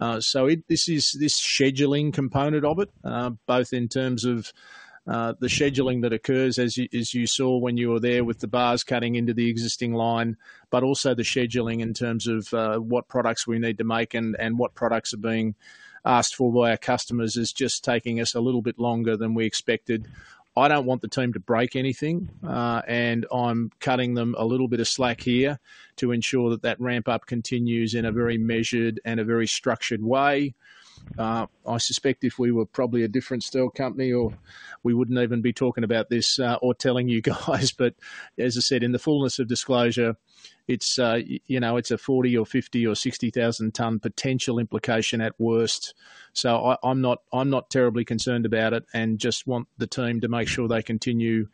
This is this scheduling component of it, both in the scheduling that occurs, as you, as you saw when you were there with the bars cutting into the existing line, but also the scheduling in terms of what products we need to make and, and what products are being asked for by our customers is just taking us a little bit longer than we expected. I don't want the team to break anything, and I'm cutting them a little bit of slack here to ensure that that ramp-up continues in a very measured and a very structured way. I suspect if we were probably a different steel company, or we wouldn't even be talking about this, or telling you guys, but as I said, in the fullness of disclosure, it's, you know, it's a 40,000 or 50,000 or 60,000 ton potential implication at worst. I, I'm not, I'm not terribly concerned about it and just want the team to make sure they continue to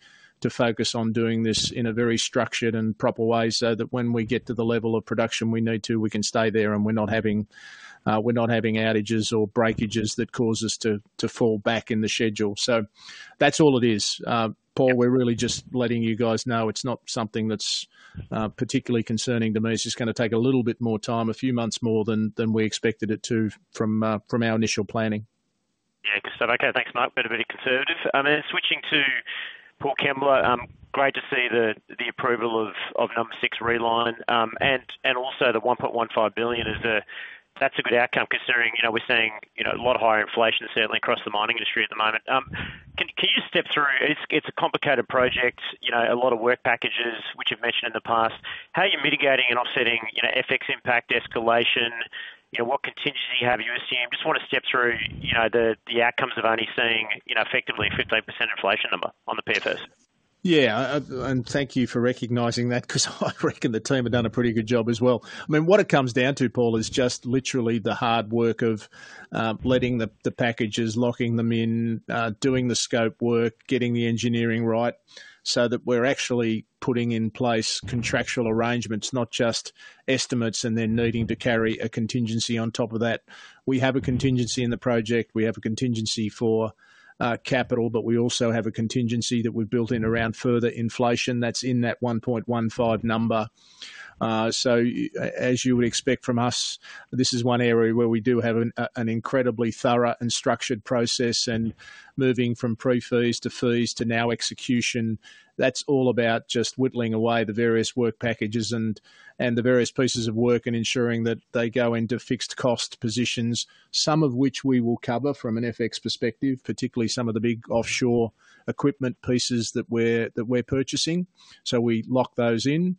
focus on doing this in a very structured and proper way, so that when we get to the level of production we need to, we can stay there and we're not having, we're not having outages or breakages that cause us to, to fall back in the schedule. That's all it is. Paul, we're really just letting you guys know it's not something that's particularly concerning to me. It's just gonna take a little bit more time, a few months more than, than we expected it to from, from our initial planning. Yeah. Okay, thanks, Mark. Better be conservative. Switching to Port Kembla, great to see the, the approval of, of No. 6 Reline, and, and also the $1.15 billion is the... That's a good outcome, considering, you know, we're seeing, you know, a lot of higher inflation certainly across the mining industry at the moment. Can you just step through? It's a complicated project, you know, a lot of work packages which you've mentioned in the past. How are you mitigating and offsetting, you know, FX impact, escalation? You know, what contingency have you assumed? Just want to step through, you know, the, the outcomes of only seeing, you know, effectively a 15% inflation number on the PFS. Yeah, and thank you for recognizing that, because I reckon the team have done a pretty good job as well. I mean, what it comes down to, Paul, is just literally the hard work of letting the packages, locking them in, doing the scope work, getting the engineering right, so that we're actually putting in place contractual arrangements, not just estimates, and then needing to carry a contingency on top of that. We have a contingency in the project. We have a contingency for capital. We also have a contingency that we've built in around further inflation that's in that 1.15 number. As you would expect from us, this is one area where we do have an incredibly thorough and structured process, and moving from pre-feas to feas to now execution, that's all about just whittling away the various work packages and the various pieces of work and ensuring that they go into fixed cost positions, some of which we will cover from an FX perspective, particularly some of the big offshore equipment pieces that we're purchasing. We lock those in.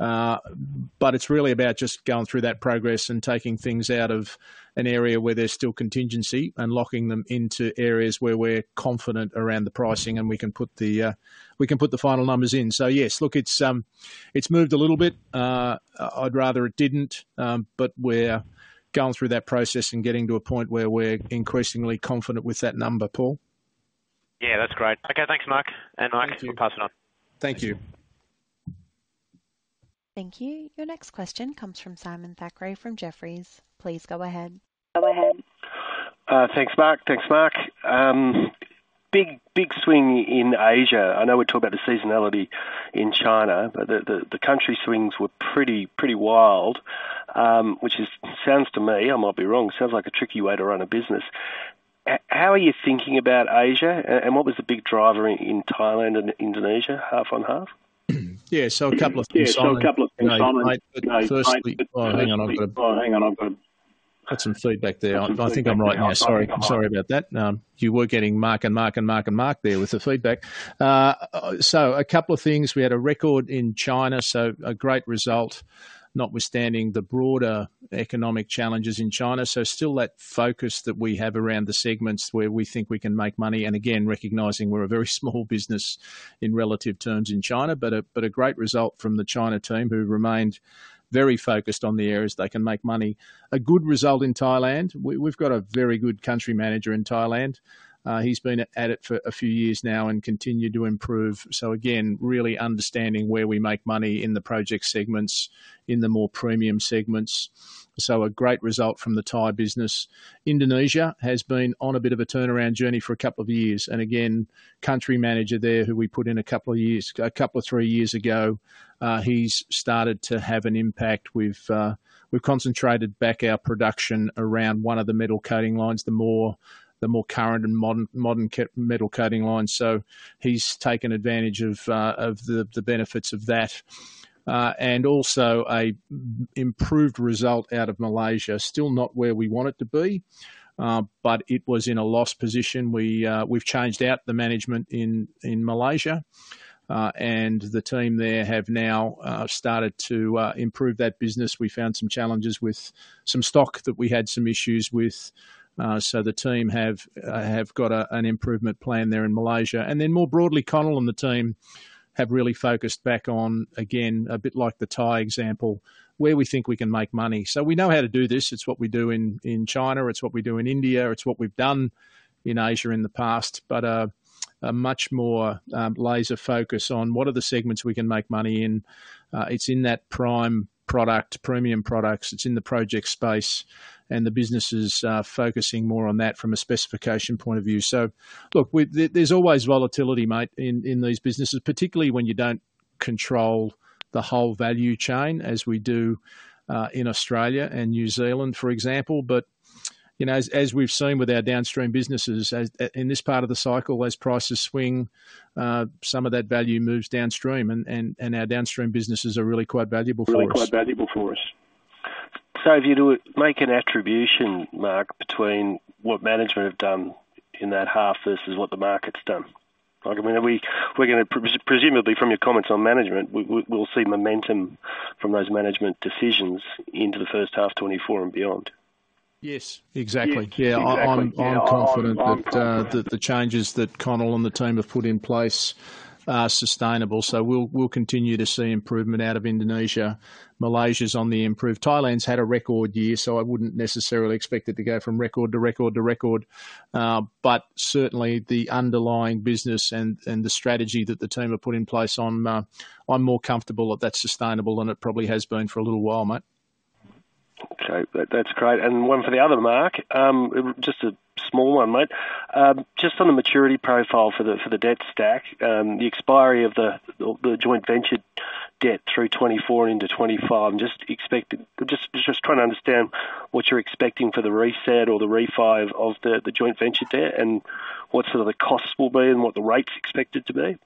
It's really about just going through that progress and taking things out of an area where there's still contingency and locking them into areas where we're confident around the pricing, and we can put the final numbers in. Yes, look, it's moved a little bit, I'd rather it didn't, but we're going through that process and getting to a point where we're increasingly confident with that number, Paul. Yeah, that's great. Okay, thanks, Mark. Mark, we'll pass it on. Thank you. Thank you. Your next question comes from Simon Thackray, from Jefferies. Please go ahead. Thanks, Mark. Thanks, Mark. Big, big swing in Asia. I know we talked about the seasonality in China, but the, the, the country swings were pretty, pretty wild, which sounds to me, I might be wrong, sounds like a tricky way to run a business. How are you thinking about Asia, and what was the big driver in, in Thailand and Indonesia, half on half? Yeah, so a couple of things, Simon. Yeah, so a couple of things, Simon. Firstly... Hang on, I've got some feedback there. I think I'm right now. Sorry, I'm sorry about that. You were getting Mark and Mark and Mark and Mark there with the feedback. So a couple of things. We had a record in China, so a great result, notwithstanding the broader economic challenges in China. Still that focus that we have around the segments where we think we can make money, and again, recognizing we're a very small business in relative terms in China, but a great result from the China team, who remained very focused on the areas they can make money. A good result in Thailand. We've got a very good country manager in Thailand. He's been at it for a few years now and continued to improve. Again, really understanding where we make money in the project segments, in the more premium segments. A great result from the Thai business. Indonesia has been on a bit of a turnaround journey for a couple of years, and again, country manager there, who we put in a couple of years, a couple or three years ago, he's started to have an impact. We've, we've concentrated back our production around one of the metal coating lines, the more, the more current and modern, modern metal coating lines. He's taken advantage of, of the, the benefits of that. Also a improved result out of Malaysia. Still not where we want it to be, but it was in a loss position. We, we've changed out the management in, in Malaysia, and the team there have now started to improve that business. We found some challenges with some stock that we had some issues with, the team have got a, an improvement plan there in Malaysia. More broadly, Connell and the team have really focused back on, again, a bit like the Thai example, where we think we can make money. We know how to do this. It's what we do in, in China, it's what we do in India, it's what we've done in Asia in the past, a much more laser focus on what are the segments we can make money in. It's in that prime product, premium products, it's in the project space, and the business is focusing more on that from a specification point of view. Look, there's always volatility, mate, in these businesses, particularly when you don't control the whole value chain, as we do in Australia and New Zealand, for example. You know, as we've seen with our downstream businesses, as in this part of the cycle, as prices swing, some of that value moves downstream and, and, and our downstream businesses are really quite valuable for us. Really quite valuable for us. If you were to make an attribution, Mark, between what management have done in that half versus what the market's done? Like, I mean, are we, we're gonna presumably from your comments on management, we, we, we'll see momentum from those management decisions into the first half 2024 and beyond. Yes, exactly. Yeah, I'm, I'm confident that the changes that Connell and the team have put in place are sustainable. We'll continue to see improvement out of Indonesia. Malaysia's on the improve. Thailand's had a record year. I wouldn't necessarily expect it to go from record to record to record. Certainly, the underlying business and the strategy that the team have put in place, I'm more comfortable that that's sustainable than it probably has been for a little while, mate. Okay, that, that's great. One for the other Mark. Just a small one, mate. Just on the maturity profile for the, for the debt stack, the expiry of the, of the joint venture debt through 2024 into 2025, I'm just expecting... trying to understand what you're expecting for the reset or the refi of the, the joint venture debt, and what some of the costs will be and what the rates expected to be?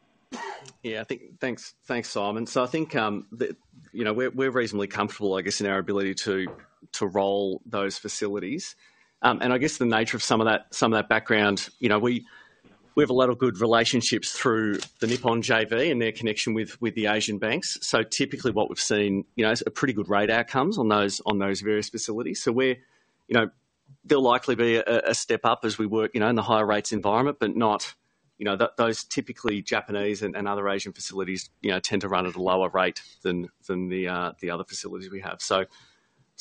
Yeah, I think. Thanks, thanks, Simon. I think, the, you know, we're, we're reasonably comfortable, I guess, in our ability to, to roll those facilities. And I guess the nature of some of that, some of that background, you know, we, we have a lot of good relationships through the Nippon JV and their connection with, with the Asian banks. Typically what we've seen, you know, is a pretty good rate outcomes on those, on those various facilities. We're, you know, there'll likely be a, a step up as we work, you know, in the higher rates environment, but not, you know, those typically Japanese and, and other Asian facilities, you know, tend to run at a lower rate than, the other facilities we have. I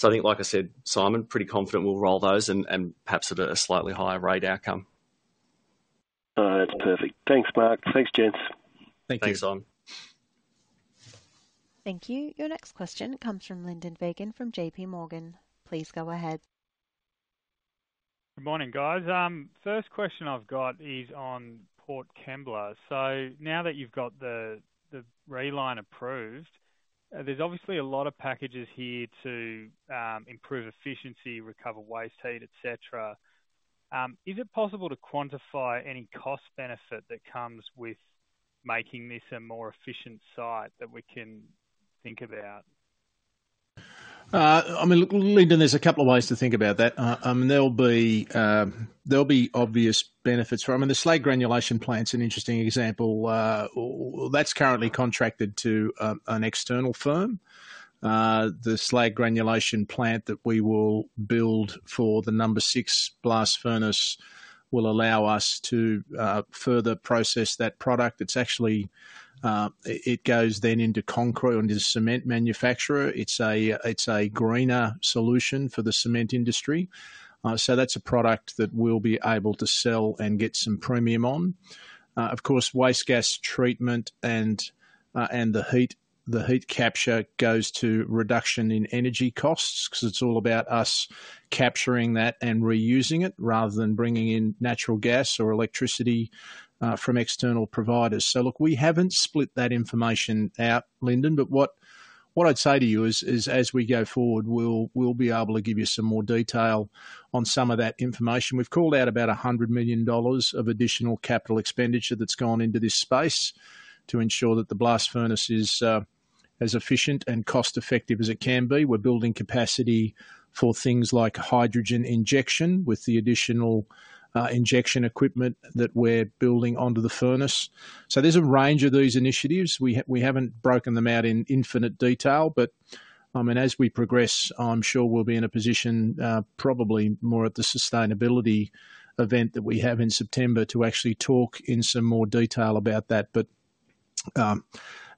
think, like I said, Simon, pretty confident we'll roll those and perhaps at a slightly higher rate outcome. That's perfect. Thanks, Mark. Thanks, gents. Thank you. Thanks, Simon. Thank you. Your next question comes from Lyndon Fagan from JPMorgan. Please go ahead. Good morning, guys. First question I've got is on Port Kembla. Now that you've got the, the reline approved, there's obviously a lot of packages here to improve efficiency, recover waste heat, etc.. Is it possible to quantify any cost benefit that comes with making this a more efficient site that we can think about? I mean, Lyndon, there's a couple of ways to think about that. There'll be obvious benefits from it. I mean, the slag granulation plant is an interesting example. Well, that's currently contracted to an external firm. The slag granulation plant that we will build for the No. 6 Blast Furnace will allow us to further process that product. It's actually, it, it goes then into concrete and to cement manufacturer. It's a, it's a greener solution for the cement industry. That's a product that we'll be able to sell and get some premium on. Of course, waste gas treatment and the heat, the heat capture goes to reduction in energy costs because it's all about us capturing that and reusing it, rather than bringing in natural gas or electricity from external providers. Look, we haven't split that information out, Lyndon, but what, what I'd say to you is, is as we go forward, we'll, we'll be able to give you some more detail on some of that information. We've called out about $100 million of additional CapEx that's gone into this space to ensure that the blast furnace is as efficient and cost-effective as it can be. We're building capacity for things like hydrogen injection, with the additional injection equipment that we're building onto the furnace. There's a range of these initiatives. We haven't broken them out in infinite detail, I mean, as we progress, I'm sure we'll be in a position, probably more at the sustainability event that we have in September, to actually talk in some more detail about that.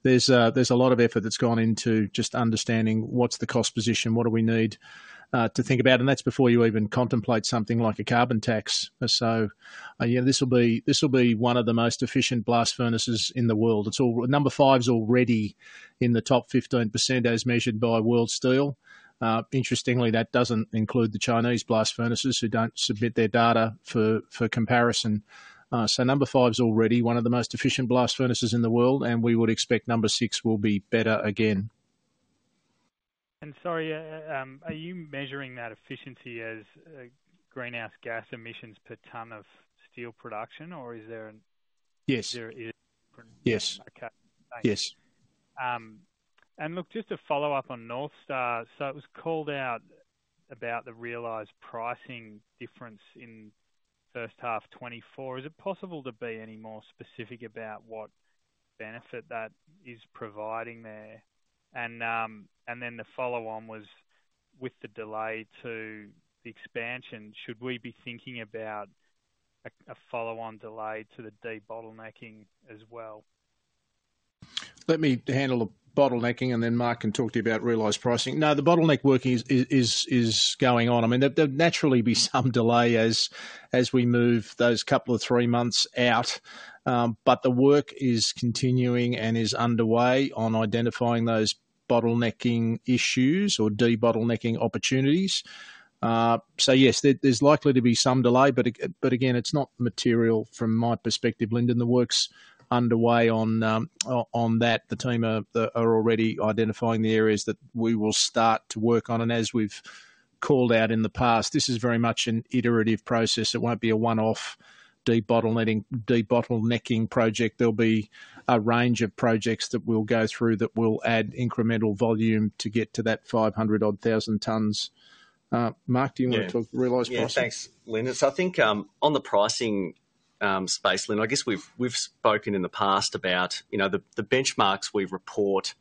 There's a lot of effort that's gone into just understanding what's the cost position, what do we need to think about, and that's before you even contemplate something like a carbon tax. Yeah, this will be one of the most efficient blast furnaces in the world. No. 5's already in the top 15% as measured by World Steel. Interestingly, that doesn't include the Chinese blast furnaces, who don't submit their data for comparison. No. 5's already one of the most efficient blast furnaces in the world, and we would expect No. 6 will be better again. sorry, are you measuring that efficiency as greenhouse gas emissions per ton of steel production, or is there? Yes. There is? Yes. Okay. Yes. Look, just to follow up on North Star. It was called out about the realized pricing difference in first half 2024. Is it possible to be any more specific about what benefit that is providing there? Then the follow-on was with the delay to the expansion, should we be thinking about a follow-on delay to the debottlenecking as well? Let me handle the bottlenecking, then Mark can talk to you about realized pricing. No, the bottleneck working is, is, is, is going on. I mean, there, there'd naturally be some delay as, as we move those couple of three months out, but the work is continuing and is underway on identifying those bottlenecking issues or debottlenecking opportunities. Yes, there, there's likely to be some delay, but it, but again, it's not material from my perspective, Lyndon. The work's underway on, on, on that. The team are already identifying the areas that we will start to work on, as we've, called out in the past, this is very much an iterative process. It won't be a one-off, de-bottlenecking project. There'll be a range of projects that we'll go through that will add incremental volume to get to that 500 odd thousand tons. Mark, do you want to talk realized price? Yeah, thanks, Lynn. I think on the pricing space, Lynn, I guess we've, we've spoken in the past about, you know, the, the benchmarks we report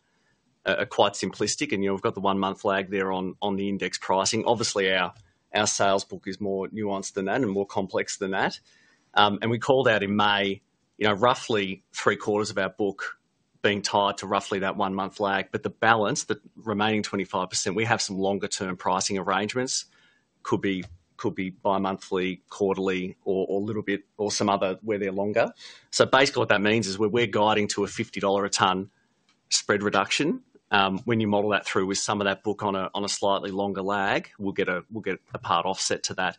are, are quite simplistic, and, you know, we've got the one-month lag there on, on the index pricing. Obviously, our, our sales book is more nuanced than that and more complex than that. We called out in May, you know, roughly three-quarters of our book being tied to roughly that one-month lag. The balance, the remaining 25%, we have some longer-term pricing arrangements. Could be, could be bi-monthly, quarterly, or some other, where they're longer. Basically what that means is we're, we're guiding to $50 a ton spread reduction. When you model that through with some of that book on a, on a slightly longer lag, we'll get a, we'll get a part offset to that.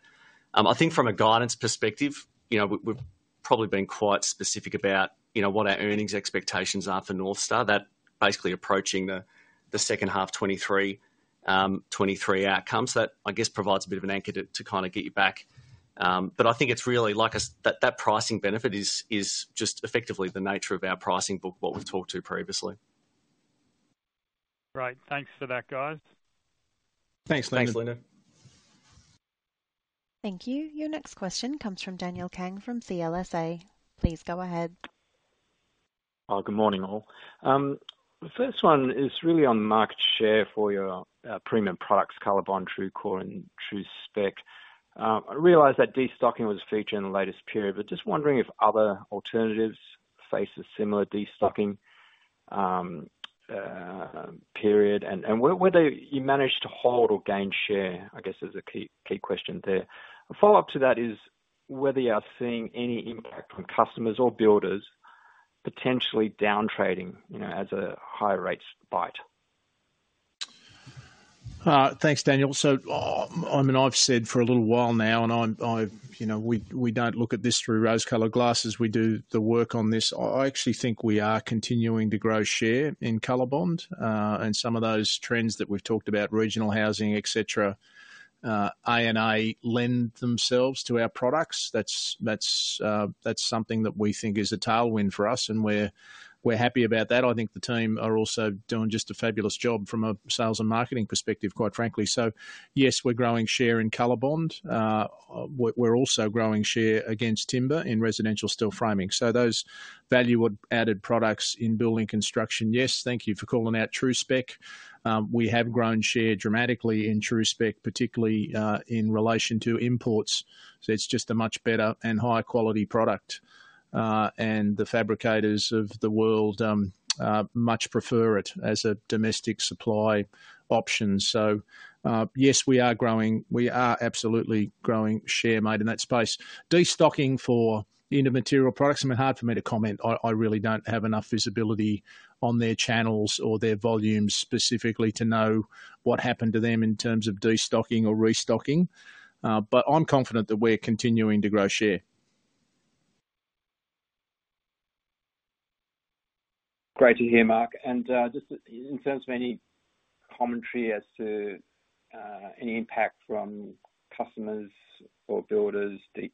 I think from a guidance perspective, you know, we've probably been quite specific about, you know, what our earnings expectations are for North Star. That basically approaching the, the second half 2023, 2023 outcomes. That, I guess, provides a bit of an anchor to, to kind of get you back. But I think it's really like that, that pricing benefit is, is just effectively the nature of our pricing book, what we've talked to previously. Great. Thanks for that, guys. Thanks, Lynn. Thanks, Lynn. Thank you. Your next question comes from Daniel Kang from CLSA. Please go ahead. Well, good morning, all. The first one is really on market share for your premium products, COLORBOND, TRUECORE, and TRU-SPEC. I realized that destocking was a feature in the latest period, just wondering if other alternatives face a similar destocking period, and whether you managed to hold or gain share? I guess is the key, key question there. A follow-up to that is whether you are seeing any impact on customers or builders potentially downtrading, you know, as a higher rates bite. Thanks, Daniel. I mean, I've said for a little while now, and I'm, you know, we, we don't look at this through rose-colored glasses. We do the work on this. I, I actually think we are continuing to grow share in COLORBOND, and some of those trends that we've talked about, regional housing, et cetera, A&A lend themselves to our products. That's, that's, that's something that we think is a tailwind for us, and we're, we're happy about that. I think the team are also doing just a fabulous job from a sales and marketing perspective, quite frankly. Yes, we're growing share in COLORBOND. We're, we're also growing share against timber in residential steel framing. So those value add-added products in building construction, yes. Thank you for calling out TRU-SPEC. We have grown share dramatically in TRU-SPEC, particularly in relation to imports. It's just a much better and higher quality product, and the fabricators of the world much prefer it as a domestic supply option. Yes, we are growing. We are absolutely growing share, mate, in that space. Destocking for the end of material products, I mean, hard for me to comment. I really don't have enough visibility on their channels or their volumes specifically to know what happened to them in terms of destocking or restocking. I'm confident that we're continuing to grow share. Great to hear, Mark. Just in terms of any commentary as to any impact from customers or builders, the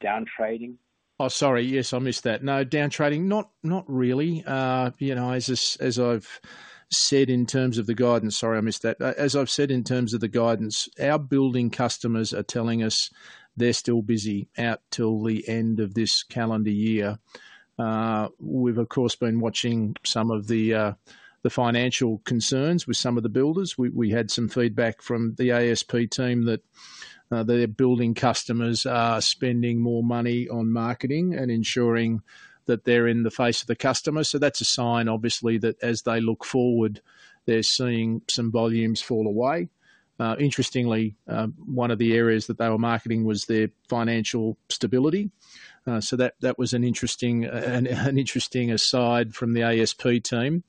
downtrading? Oh, sorry. Yes, I missed that. No, downtrading, not, not really. You know, as I've said, in terms of the guidance... Sorry, I missed that. As I've said, in terms of the guidance, our building customers are telling us they're still busy out till the end of this calendar year. We've of course, been watching some of the financial concerns with some of the builders. We, we had some feedback from the ASP team that their building customers are spending more money on marketing and ensuring that they're in the face of the customer. That's a sign, obviously, that as they look forward, they're seeing some volumes fall away. Interestingly, one of the areas that they were marketing was their financial stability. That, that was an interesting, an interesting aside from the ASP team.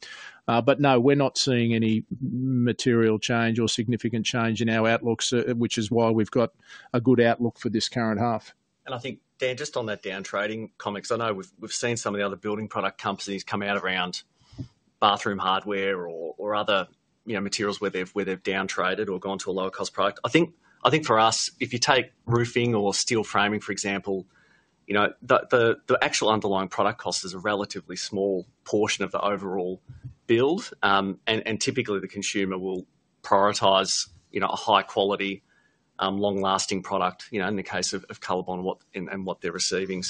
No, we're not seeing any material change or significant change in our outlooks, which is why we've got a good outlook for this current half. I think, Dan, just on that downtrading comment, because I know we've, we've seen some of the other building product companies come out around bathroom hardware or, or other, you know, materials where they've, where they've downtraded or gone to a lower-cost product. I think, I think for us, if you take roofing or steel framing, for example, you know, the, the, the actual underlying product cost is a relatively small portion of the overall build. And, and typically, the consumer will prioritize, you know, a high-quality, long-lasting product, you know, in the case of, of COLORBOND, what, and, and what they're receiving.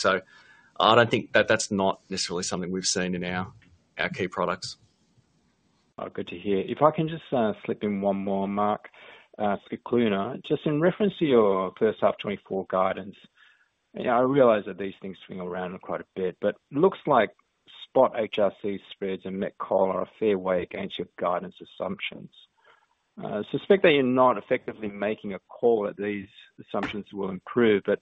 I don't think that that's not necessarily something we've seen in our, our key products. Oh, good to hear. If I can just slip in one more, Mark, for BlueScope. Just in reference to your first half 2024 guidance, you know, I realize that these things swing around quite a bit, but looks like spot HRC spreads and met coal are a fair way against your guidance assumptions. Suspect that you're not effectively making a call that these assumptions will improve, but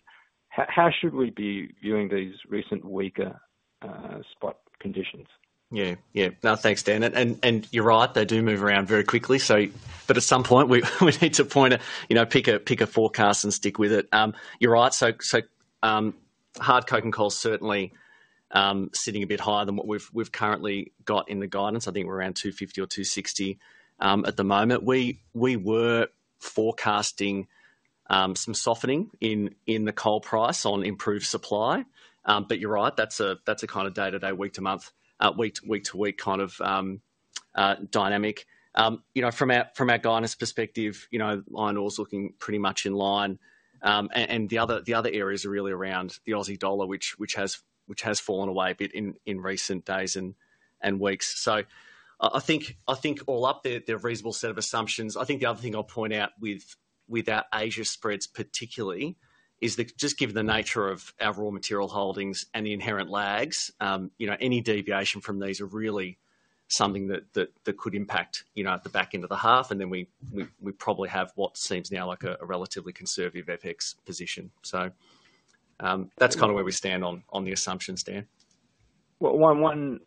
how should we be viewing these recent weaker spot conditions? Yeah. Yeah. No, thanks, Dan. you're right, they do move around very quickly, so. At some point, we, we need to point, you know, pick a, pick a forecast and stick with it. you're right. Hard coking coal is certainly, sitting a bit higher than what we've, we've currently got in the guidance. I think we're around $250 or $260, at the moment. We, we were forecasting, some softening in, in the coal price on improved supply. you're right, that's a, that's a kind of day-to-day, week to month, week to week to week kind of, dynamic. you know, from our, from our guidance perspective, you know, iron ore is looking pretty much in line. The other, the other areas are really around the Aussie dollar, which, which has, which has fallen away a bit in, in recent days and, and weeks. I, I think, I think all up there, they're a reasonable set of assumptions. I think the other thing I'll point out with, with our Asia spreads particularly, is just given the nature of our raw material holdings and the inherent lags, you know, any deviation from these are really something that, that, that could impact, you know, at the back end of the half, and then we, we, we probably have what seems now like a, a relatively conservative FX position. That's kind of where we stand on, on the assumptions, Dan. Well, one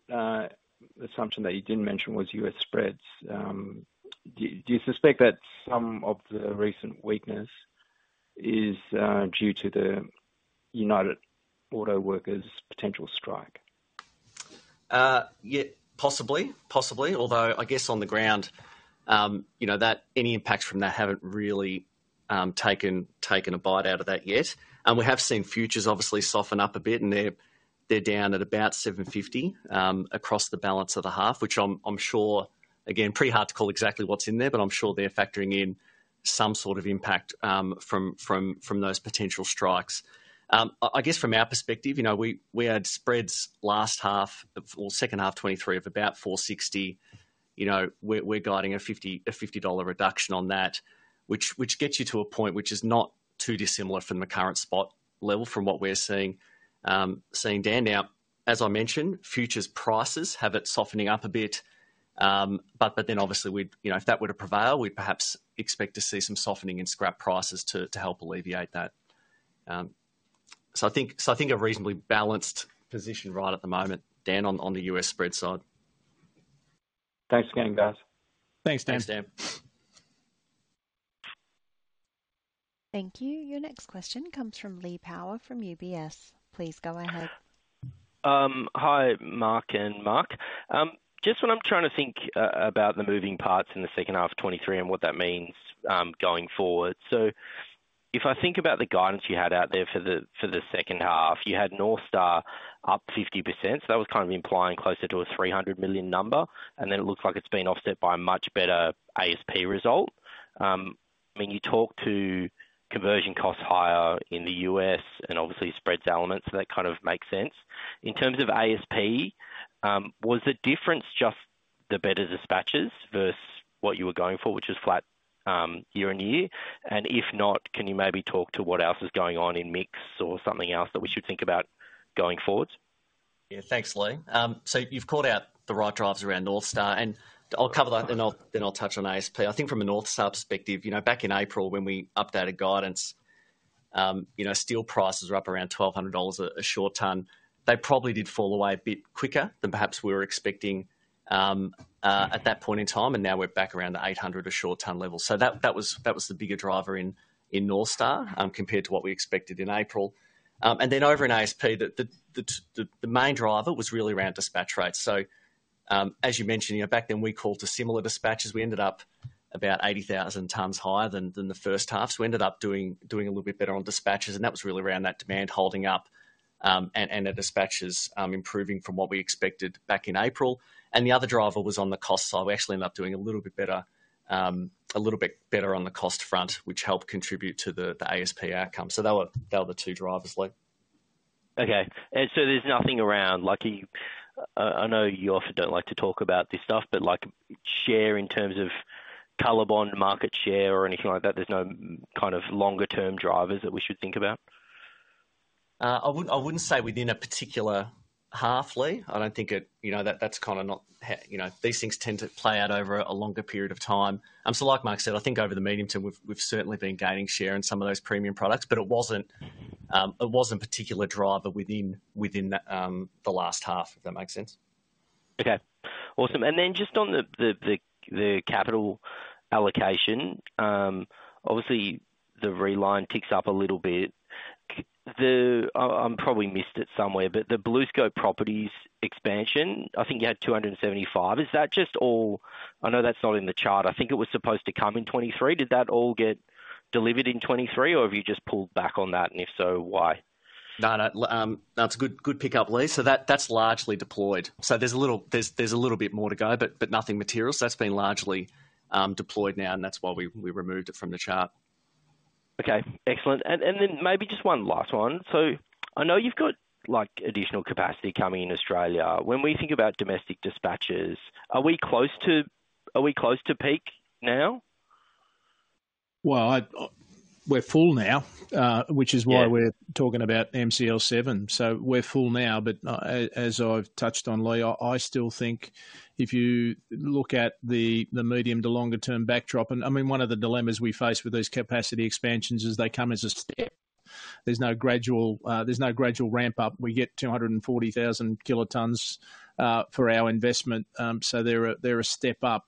assumption that you didn't mention was U.S. spreads. Do you suspect that some of the recent weakness is due to the United Auto Workers potential strike? Yeah, possibly. Possibly, although I guess on the ground, you know, that any impacts from that haven't really taken, taken a bite out of that yet. We have seen futures obviously soften up a bit, and they're, they're down at about $750 across the balance of the half, which I'm, I'm sure, again, pretty hard to call exactly what's in there, but I'm sure they're factoring in some sort of impact from, from, from those potential strikes. I, I guess from our perspective, you know, we, we had spreads last half or second half 2023 of about $460. You know, we're, we're guiding a $50 reduction on that, which, which gets you to a point which is not too dissimilar from the current spot level from what we're seeing, seeing, Dan. As I mentioned, futures prices have it softening up a bit, but then obviously we'd, you know, if that were to prevail, we'd perhaps expect to see some softening in scrap prices to, to help alleviate that. I think a reasonably balanced position right at the moment, Dan, on, on the U.S. spread side. Thanks again, guys. Thanks, Dan. Thanks, Dan. Thank you. Your next question comes from Lee Power, from UBS. Please go ahead. Hi, Mark and Mark. Just when I'm trying to think about the moving parts in the second half of 2023 and what that means going forward. If I think about the guidance you had out there for the, for the second half, you had North Star up 50%. That was kind of implying closer to a $300 million number, and then it looks like it's been offset by a much better ASP result. When you talk to conversion costs higher in the U.S. and obviously spreads elements, that kind of makes sense. In terms of ASP, was the difference just the better dispatches versus what you were going for, which is flat year on year? If not, can you maybe talk to what else is going on in mix or something else that we should think about going forward? Yeah. Thanks, Lee. You've called out the right drivers around North Star, and I'll cover that, then I'll, then I'll touch on ASP. I think from a North Star perspective, you know, back in April, when we updated guidance, you know, steel prices were up around $1,200 a short ton. They probably did fall away a bit quicker than perhaps we were expecting at that point in time, and now we're back around the $800 a short ton level. That, that was, that was the bigger driver in North Star compared to what we expected in April. Then over in ASP, the main driver was really around dispatch rates. As you mentioned, you know, back then, we called to similar dispatches. We ended up about 80,000 tons higher than the first half. We ended up doing a little bit better on dispatches, and that was really around that demand holding up, and the dispatches improving from what we expected back in April. The other driver was on the cost side. We actually ended up doing a little bit better on the cost front, which helped contribute to the ASP outcome. They were the two drivers, Lee. Okay. So there's nothing around. Like, I know you often don't like to talk about this stuff, but like, share in terms of COLORBOND, market share, or anything like that, there's no kind of longer-term drivers that we should think about? I wouldn't, I wouldn't say within a particular half, Lee. I don't think it, you know, that, that's kind of not you know, these things tend to play out over a longer period of time. Like Mark said, I think over the medium term, we've, we've certainly been gaining share in some of those premium products, but it wasn't, it wasn't a particular driver within, within the last half, if that makes sense. Okay, awesome. Then just on the, the, the, the capital allocation, obviously the reline ticks up a little bit. I'm probably missed it somewhere, but the BlueScope Properties expansion, I think you had $275. Is that just all? I know that's not in the chart. I think it was supposed to come in 2023. Did that all get delivered in 2023, or have you just pulled back on that? If so, why? No, no. L-, that's a good, good pickup, Lee. That, that's largely deployed. There's a little, there's, there's a little bit more to go, but, but nothing material. That's been largely deployed now, and that's why we, we removed it from the chart. Okay, excellent. Then maybe just one last one. I know you've got, like, additional capacity coming in Australia. When we think about domestic dispatches, are we close to peak now? Well, I, we're full now. Yeah. which is why we're talking about MCL7. We're full now, but as I've touched on, Lee, I still think if you look at the medium to longer-term backdrop, I mean, one of the dilemmas we face with these capacity expansions is they come as a step-... There's no gradual, there's no gradual ramp up. We get 240,000 kt for our investment. They're a step up.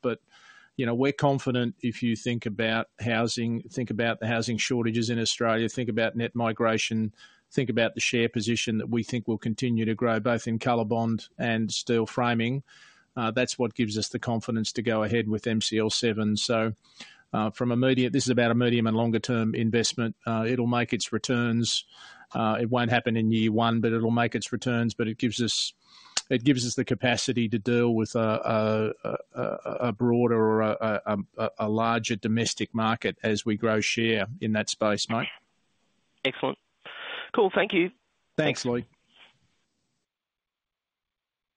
You know, we're confident, if you think about housing, think about the housing shortages in Australia, think about net migration, think about the share position that we think will continue to grow, both in COLORBOND and steel framing. That's what gives us the confidence to go ahead with MCL7. From a medium-- This is about a medium and longer term investment. It'll make its returns. It won't happen in year one, but it'll make its returns. It gives us, it gives us the capacity to deal with a, a, a, a, a broader or a, a, a larger domestic market as we grow share in that space, Mike. Excellent. Cool. Thank you. Thanks, Lee.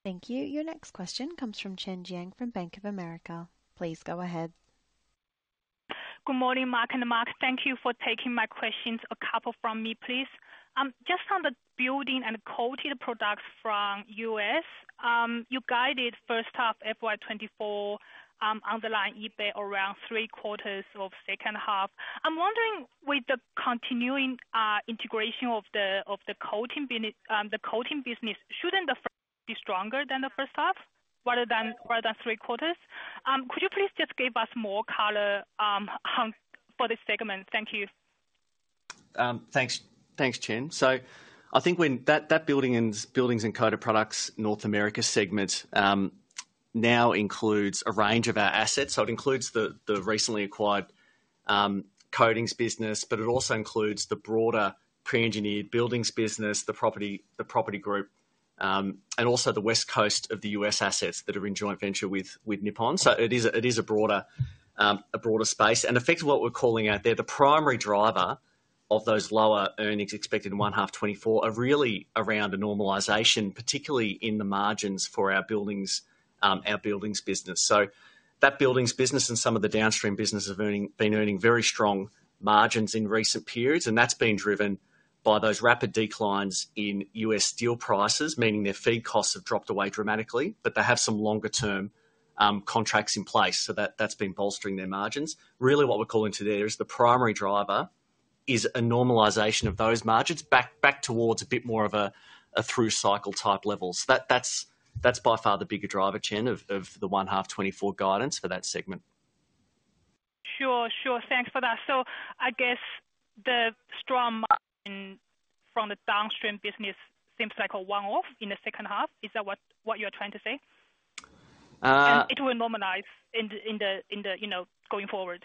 Thank you. Your next question comes from Chen Jiang from Bank of America. Please go ahead. Good morning, Mark and Mark. Thank you for taking my questions. A couple from me, please. Just on the building and coated products from U.S., you guided first half FY2024 underlying EBIT around three quarters of second half. I'm wondering, with the continuing integration of the coating business, shouldn't the first be stronger than the first half, rather than, rather than three quarters? Could you please just give us more color on, for this segment? Thank you. Thanks. Thanks, Chen. I think when that, that buildings and coated products North America segment now includes a range of our assets. It includes the, the recently acquired coatings business, but it also includes the broader pre-engineered buildings business, the property, the property group, and also the West Coast of the U.S. assets that are in joint venture with, with Nippon. It is a, it is a broader, a broader space. Effectively what we're calling out there, the primary driver of those lower earnings expected in 1H 2024 are really around a normalization, particularly in the margins for our buildings, our buildings business. That buildings business and some of the downstream business have earning, been earning very strong margins in recent periods, and that's been driven by those rapid declines in U.S. steel prices, meaning their feed costs have dropped away dramatically. They have some longer-term contracts in place, so that, that's been bolstering their margins. Really, what we're calling today is the primary driver, is a normalization of those margins back, back towards a bit more of a, a through cycle type level. That, that's, that's by far the bigger driver, Chen, of, of the 1H 2024 guidance for that segment. Sure, sure. Thanks for that. I guess the strong margin from the downstream business seems like a one-off in the second half. Is that what you're trying to say? Uh- it will normalize in the, you know, going forward.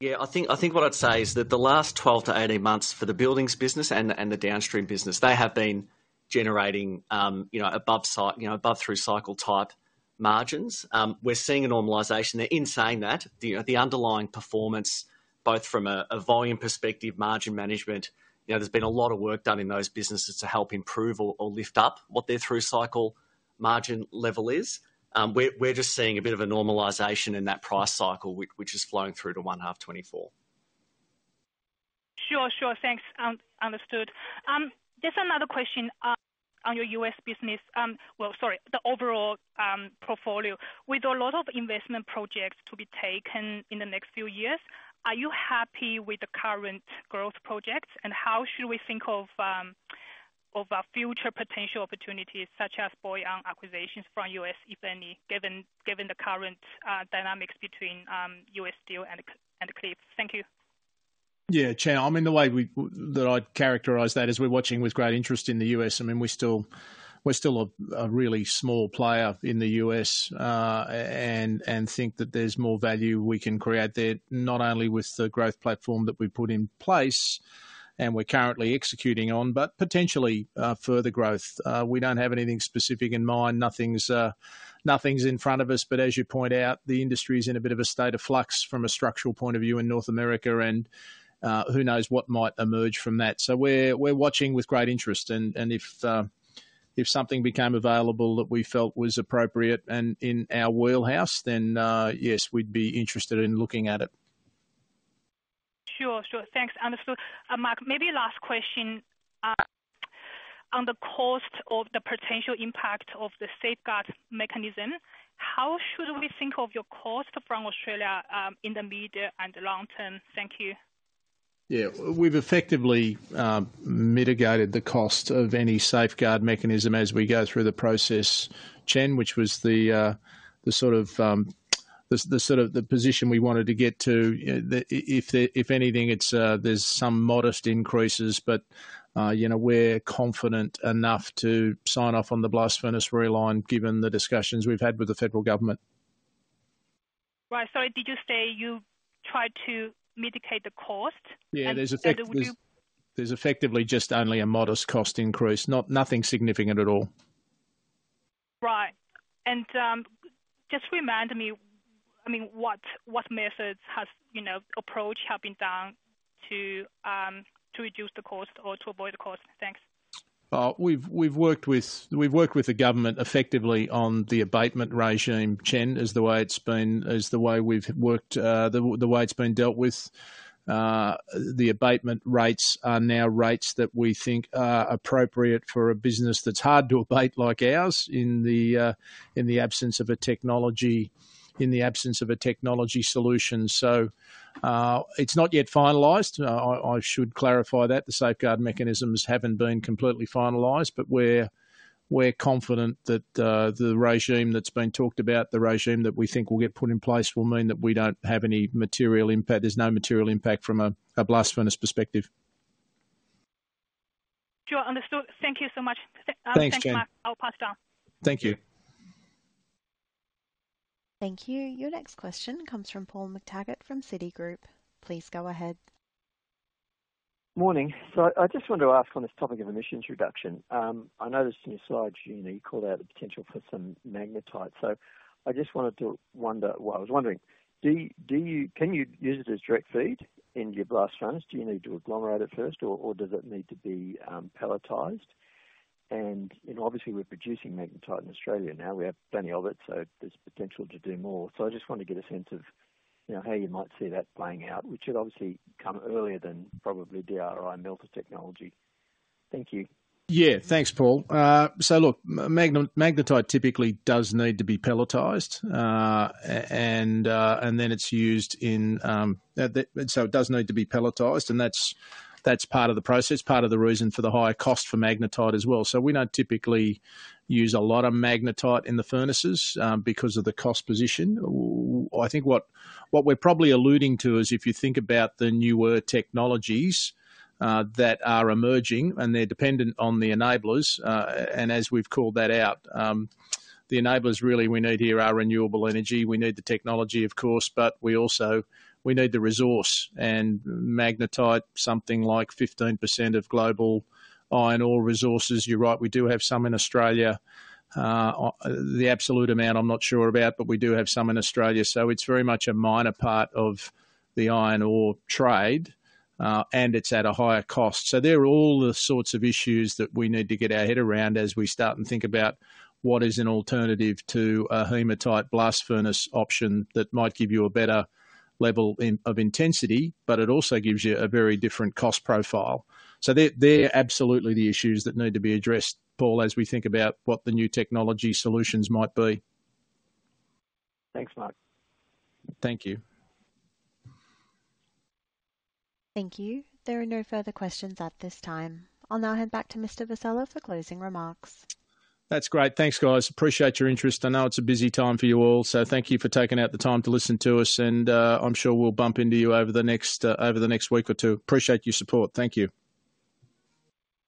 Yeah, I think, I think what I'd say is that the last 12 to 18 months for the buildings business and the downstream business, they have been generating, you know, above, you know, above through cycle type margins. We're seeing a normalization. Now in saying that, the underlying performance, both from a volume perspective, margin management, you know, there's been a lot of work done in those businesses to help improve or lift up what their through cycle margin level is. We're just seeing a bit of a normalization in that price cycle, which has flowing through to 1H 2024. Sure. Sure. Thanks. Understood. There's another question on your U.S. business. Well, sorry, the overall portfolio. With a lot of investment projects to be taken in the next few years, are you happy with the current growth projects, and how should we think of future potential opportunities such as Paul Young acquisitions from U.S., if any, given, given the current dynamics between U.S. Steel and Cliffs? Thank you. Yeah, Chen, I mean, the way we that I'd characterize that is we're watching with great interest in the U.S.. I mean, we're still, we're still a, a really small player in the U.S., and think that there's more value we can create there, not only with the growth platform that we've put in place and we're currently executing on, but potentially, further growth. We don't have anything specific in mind. Nothing's, nothing's in front of us, but as you point out, the industry is in a bit of a state of flux from a structural point of view in North America and, who knows what might emerge from that? We're, we're watching with great interest, and, and if, if something became available that we felt was appropriate and in our wheelhouse, then, yes, we'd be interested in looking at it. Sure. Sure. Thanks. Understood. Mark, maybe last question, on the cost of the potential impact of the Safeguard Mechanism. How should we think of your cost from Australia, in the medium and long term? Thank you. Yeah. We've effectively mitigated the cost of any Safeguard Mechanism as we go through the process, Chen, which was the sort of the position we wanted to get to. If anything, there's some modest increases, but, you know, we're confident enough to sign off on the blast furnace realign, given the discussions we've had with the federal government. Right. Sorry, did you say you tried to mitigate the cost? Yeah, there's. So would you There's effectively just only a modest cost increase, nothing significant at all. Right. Just remind me, I mean, what, what methods has, you know, approach have been done to, to reduce the cost or to avoid the cost? Thanks. We've, we've worked with, we've worked with the government effectively on the abatement regime, Chen, is the way we've worked, the, the way it's been dealt with. The abatement rates are now rates that we think are appropriate for a business that's hard to abate like ours, in the absence of a technology, in the absence of a technology solution. It's not yet finalized. I, I should clarify that, the Safeguard Mechanisms haven't been completely finalized, but we're, we're confident that, the regime that's been talked about, the regime that we think will get put in place, will mean that we don't have any material impact. There's no material impact from a, a blast furnace perspective. Sure, understood. Thank you so much. Thanks, Chen. Thanks, Mark. I'll pass it on. Thank you. Thank you. Your next question comes from Paul McTaggart from Citigroup. Please go ahead. Morning. I just wanted to ask on this topic of emissions reduction, I noticed in your slides, you know, you called out a potential for some magnetite. I just wanted to wonder, can you use it as direct feed in your blast furnace? Do you need to agglomerate it first, or, or does it need to be pelletized? You know, obviously we're producing magnetite in Australia now. We have plenty of it, so there's potential to do more. I just wanted to get a sense of, you know, how you might see that playing out, which would obviously come earlier than probably DRI and melter technology. Thank you. Yeah. Thanks, Paul. Look, magnetite typically does need to be pelletized, and then it's used in. It does need to be pelletized, and that's, that's part of the process, part of the reason for the higher cost for magnetite as well. We don't typically use a lot of magnetite in the furnaces because of the cost position. I think what we're probably alluding to is if you think about the newer technologies that are emerging, and they're dependent on the enablers, and as we've called that out, the enablers really we need here are renewable energy. We need the technology, of course, but we also, we need the resource. Magnetite, something like 15% of global iron ore resources, you're right, we do have some in Australia. The absolute amount, I'm not sure about, but we do have some in Australia. It's very much a minor part of the iron ore trade, and it's at a higher cost. They're all the sorts of issues that we need to get our head around as we start and think about what is an alternative to a hematite blast furnace option that might give you a better level in, of intensity, but it also gives you a very different cost profile. They're, they're absolutely the issues that need to be addressed, Paul, as we think about what the new technology solutions might be. Thanks, Mark. Thank you. Thank you. There are no further questions at this time. I'll now hand back to Mr. Vassella for closing remarks. That's great. Thanks, guys. Appreciate your interest. I know it's a busy time for you all, so thank you for taking out the time to listen to us and, I'm sure we'll bump into you over the next, over the next week or two. Appreciate your support. Thank you.